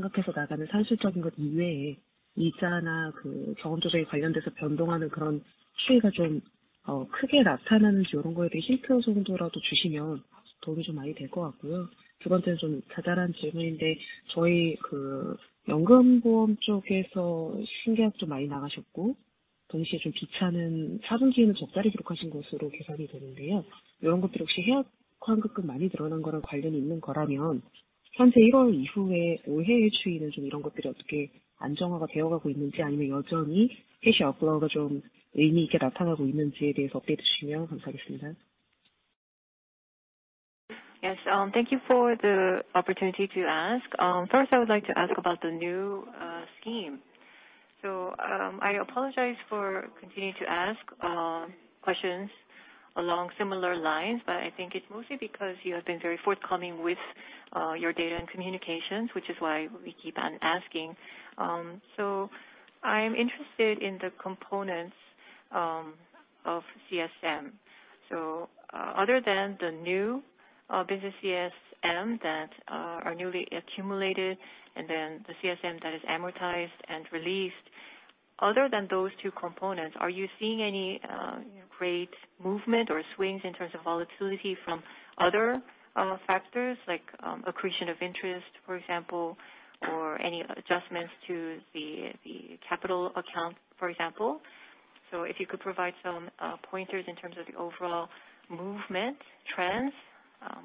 to ask about the new scheme. I apologize for continuing to ask questions along similar lines, but I think it's mostly because you have been very forthcoming with your data and communications, which is why we keep on asking. I'm interested in the components of CSM. Other than the new business CSM that are newly accumulated, and then the CSM that is amortized and released, other than those two components, are you seeing any great movement or swings in terms of volatility from other factors like accretion of interest or any adjustments to the capital account? If you could provide some pointers in terms of the overall movement trends,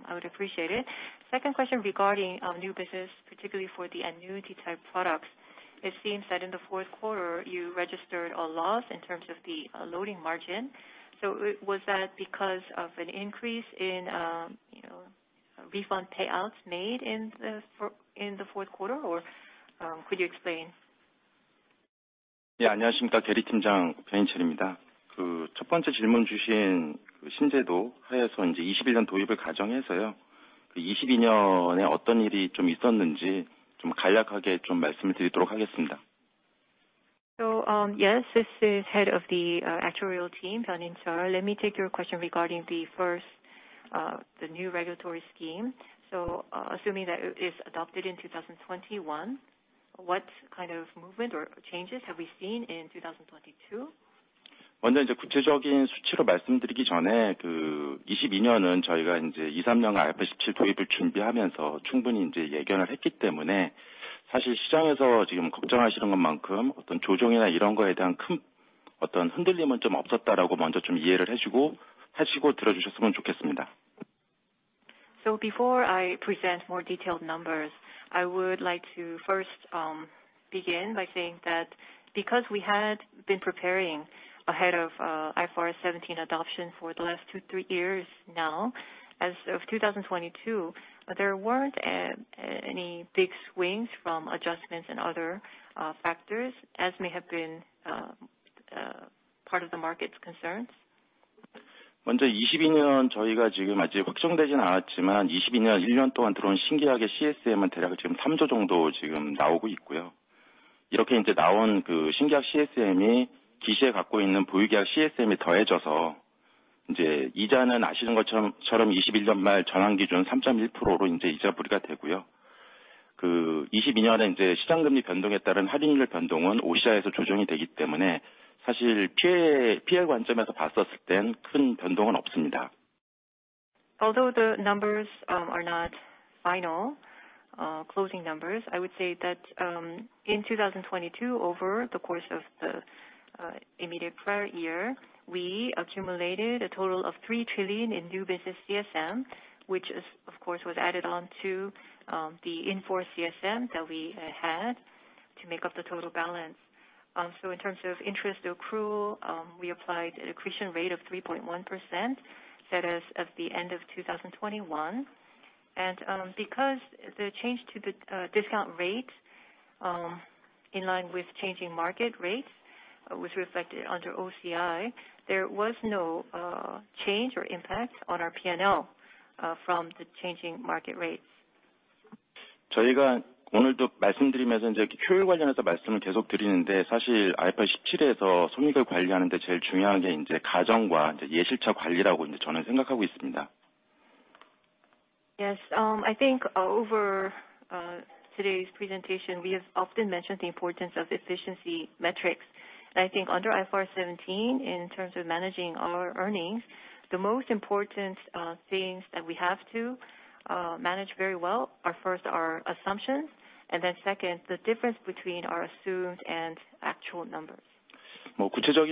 I would appreciate it. Second question regarding new business, particularly for the annuity type products. It seems that in the fourth quarter you registered a loss in terms of the loading margin. Was that because of an increase in, you know, refund payouts made in the fourth quarter, or could you explain? Yes, this is Head of the Actuarial Team, Jae. Let me take your question regarding the first, the new regulatory scheme. Assuming that it is adopted in 2021, what kind of movement or changes have we seen in 2022? Before I present more detailed numbers, I would like to first begin by saying that because we had been preparing ahead of IFRS 17 adoption for the last two, three years now, as of 2022, there weren't any big swings from adjustments in other factors as may have been part of the market's concerns. Although the numbers are not final, closing numbers, I would say that in 2022 over the course of the immediate prior year, we accumulated a total of 3 trillion in new business CSM, which is of course was added on to the in-force CSM that we had to make up the total balance. In terms of interest accrual, we applied accretion rate of 3.1%, that is at the end of 2021. Because the change to the discount rate, in line with changing market rates was reflected under OCI. There was no change or impact on our PNL from the changing market rates. Yes. I think over today's presentation, we have often mentioned the importance of efficiency metrics. I think under IFRS 17, in terms of managing our earnings, the most important things that we have to manage very well are first, our assumptions, and then second, the difference between our assumed and actual numbers. In terms of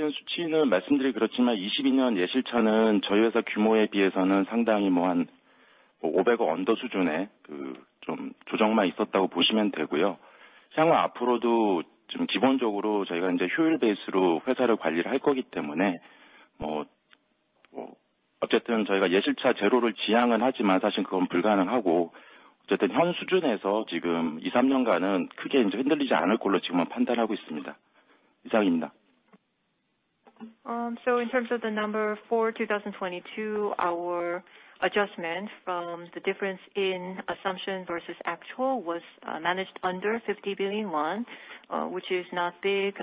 the number for 2022, our adjustment from the difference in assumption versus actual was managed under 50 billion won, which is not big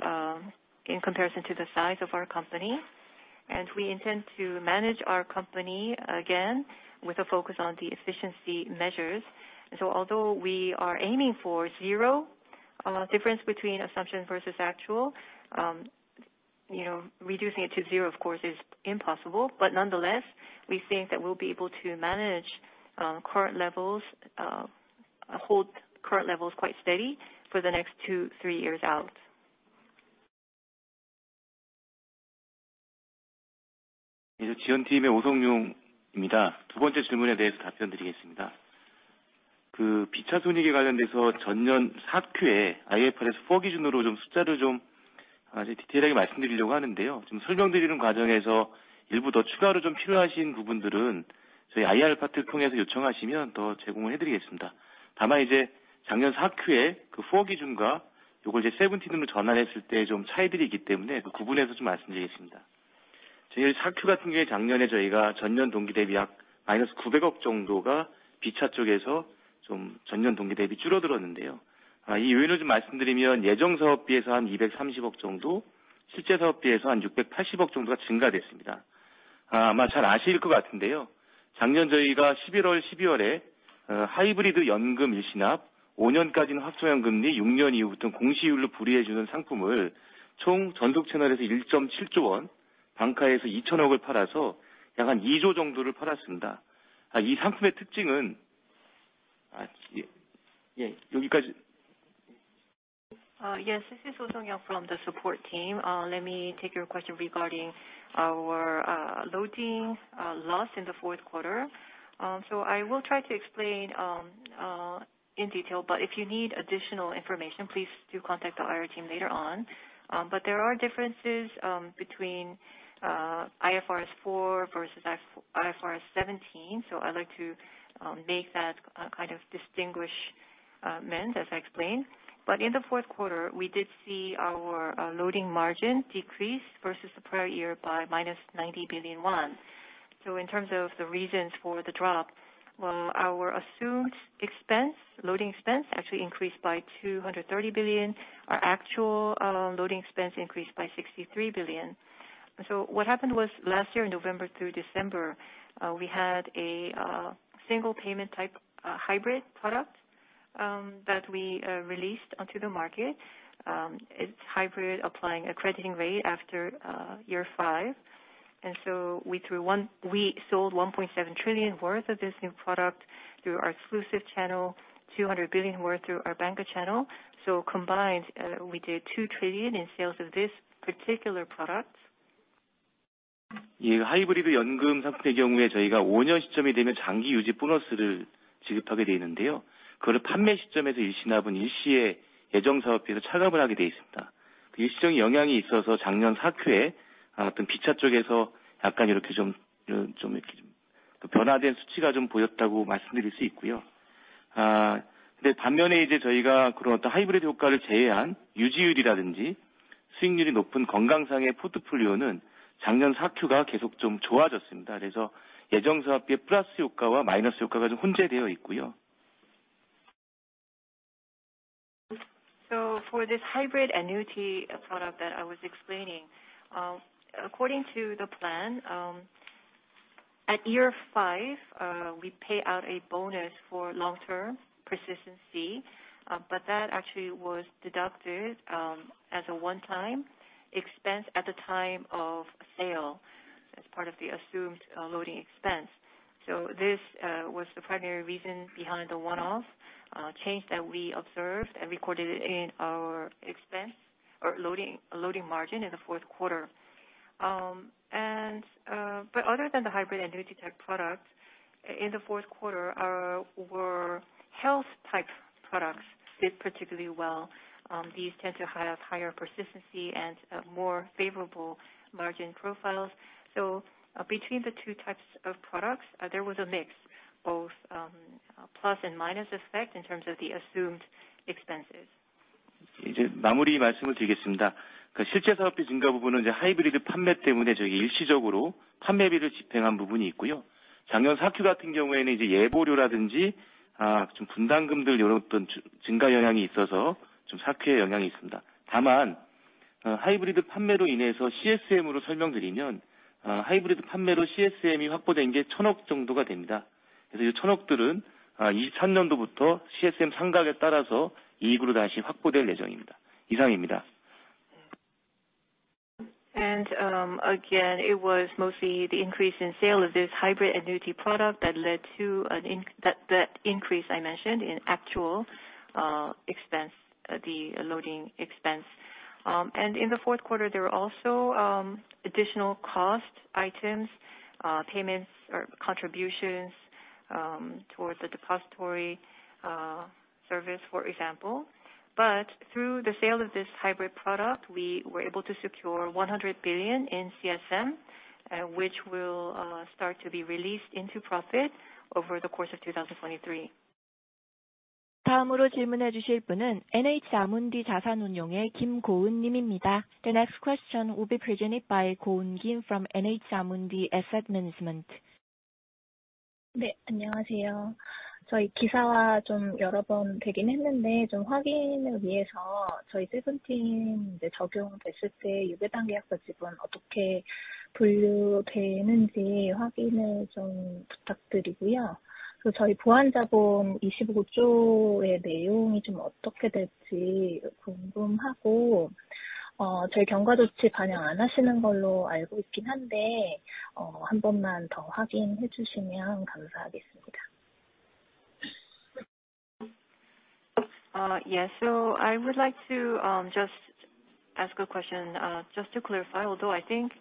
in comparison to the size of our company. We intend to manage our company again with a focus on the efficiency measures. Although we are aiming for zero difference between assumption versus actual, you know, reducing it to 0 of course is impossible. Nonetheless, we think that we'll be able to manage current levels, hold current levels quite steady for the next two, three years out. Yes, this is Oh Sungyong from the support team. Let me take your question regarding our loading loss in the fourth quarter. I will try to explain in detail, but if you need additional information, please do contact our IR team later on. There are differences between IFRS 4 versus IFRS 17, so I'd like to make that kind of distinguish ment as I explain. In the fourth quarter, we did see our loading margin decrease versus the prior year by -90 billion won. In terms of the reasons for the drop, well, our assumed expense, loading expense actually increased by 230 billion. Our actual loading expense increased by 63 billion. What happened was last year in November through December, we had a single payment type hybrid product that we released onto the market. It's hybrid applying a crediting rate after year five. We sold 1.7 trillion worth of this new product through our exclusive channel, KRW 200 billion worth through our banca channel. Combined, we did KRW 2 trillion in sales of this particular product. For this hybrid annuity product that I was explaining, according to the plan, at year five, we pay out a bonus for long-term persistency, but that actually was deducted as a one-time expense at the time of sale as part of the assumed loading expense. This was the primary reason behind the one-off change that we observed and recorded in our expense or loading margin in the fourth quarter. Other than the hybrid annuity type product, in the fourth quarter, our Health Type products did particularly well. These tend to have higher persistency and more favorable margin profiles. Both plus and minus effect in terms of the assumed expenses. Again, it was mostly the increase in sale of this hybrid annuity product that led to an increase that I mentioned in actual expense, the loading expense. In the fourth quarter, there were also additional cost items, payments or contributions towards the depository service, for example. Through the sale of this hybrid product, we were able to secure 100 billion in CSM, which will start to be released into profit over the course of 2023. The next question will be presented by Jung-Hoon Kim from NH-Amundi Asset Management. Yes. I would like to just ask a question, just to clarify, although I think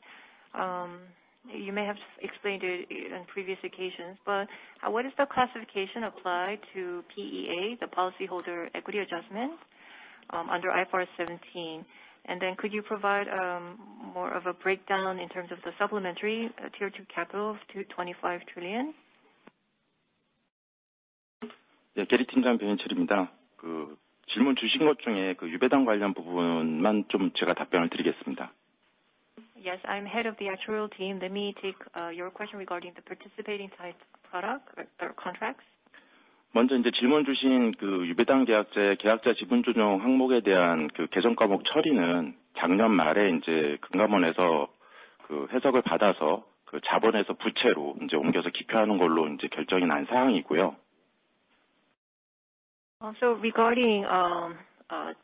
you may have explained it in previous occasions, what is the classification applied to PEA, the Policyholder Equity Adjustment, under IFRS 17? Could you provide more of a breakdown in terms of the supplementary Tier 2 capital to 25 trillion? Yes, I'm Head of the Actuarial Team. Let me take your question regarding the participating type product or contracts. Regarding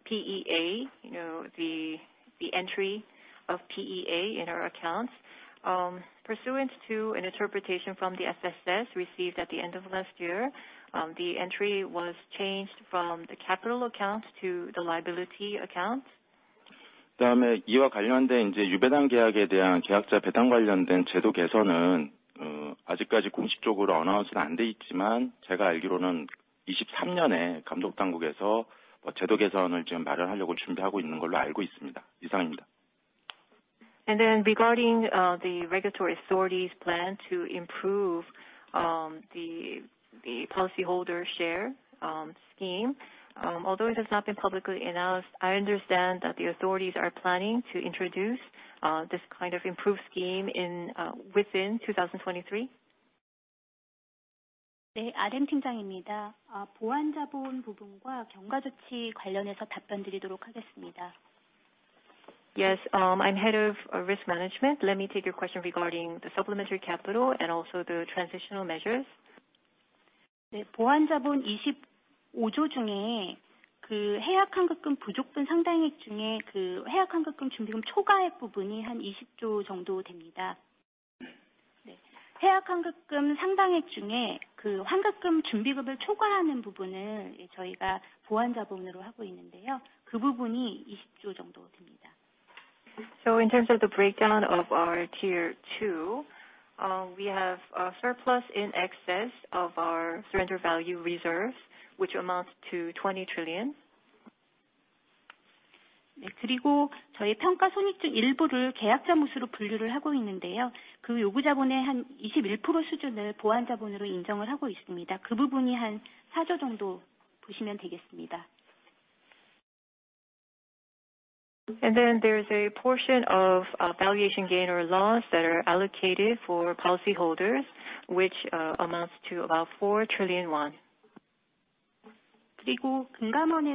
PEA, you know, the entry of PEA in our accounts. Pursuant to an interpretation from the FSS received at the end of last year, the entry was changed from the capital account to the liability account. Regarding the regulatory authorities plan to improve the policyholder share scheme. Although it has not been publicly announced, I understand that the authorities are planning to introduce this kind of improved scheme within 2023. Yes. I'm head of risk management. Let me take your question regarding the supplementary capital and also the transitional measures. In terms of the breakdown of our Tier 2, we have a surplus in excess of our surrender value reserves, which amounts to KRW 20 trillion. There is a portion of valuation gain or loss that are allocated for policyholders, which amounts to about 4 trillion won. Regarding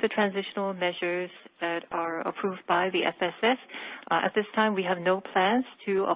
the transitional measures that are approved by the FSS, at this time we have no plans to apply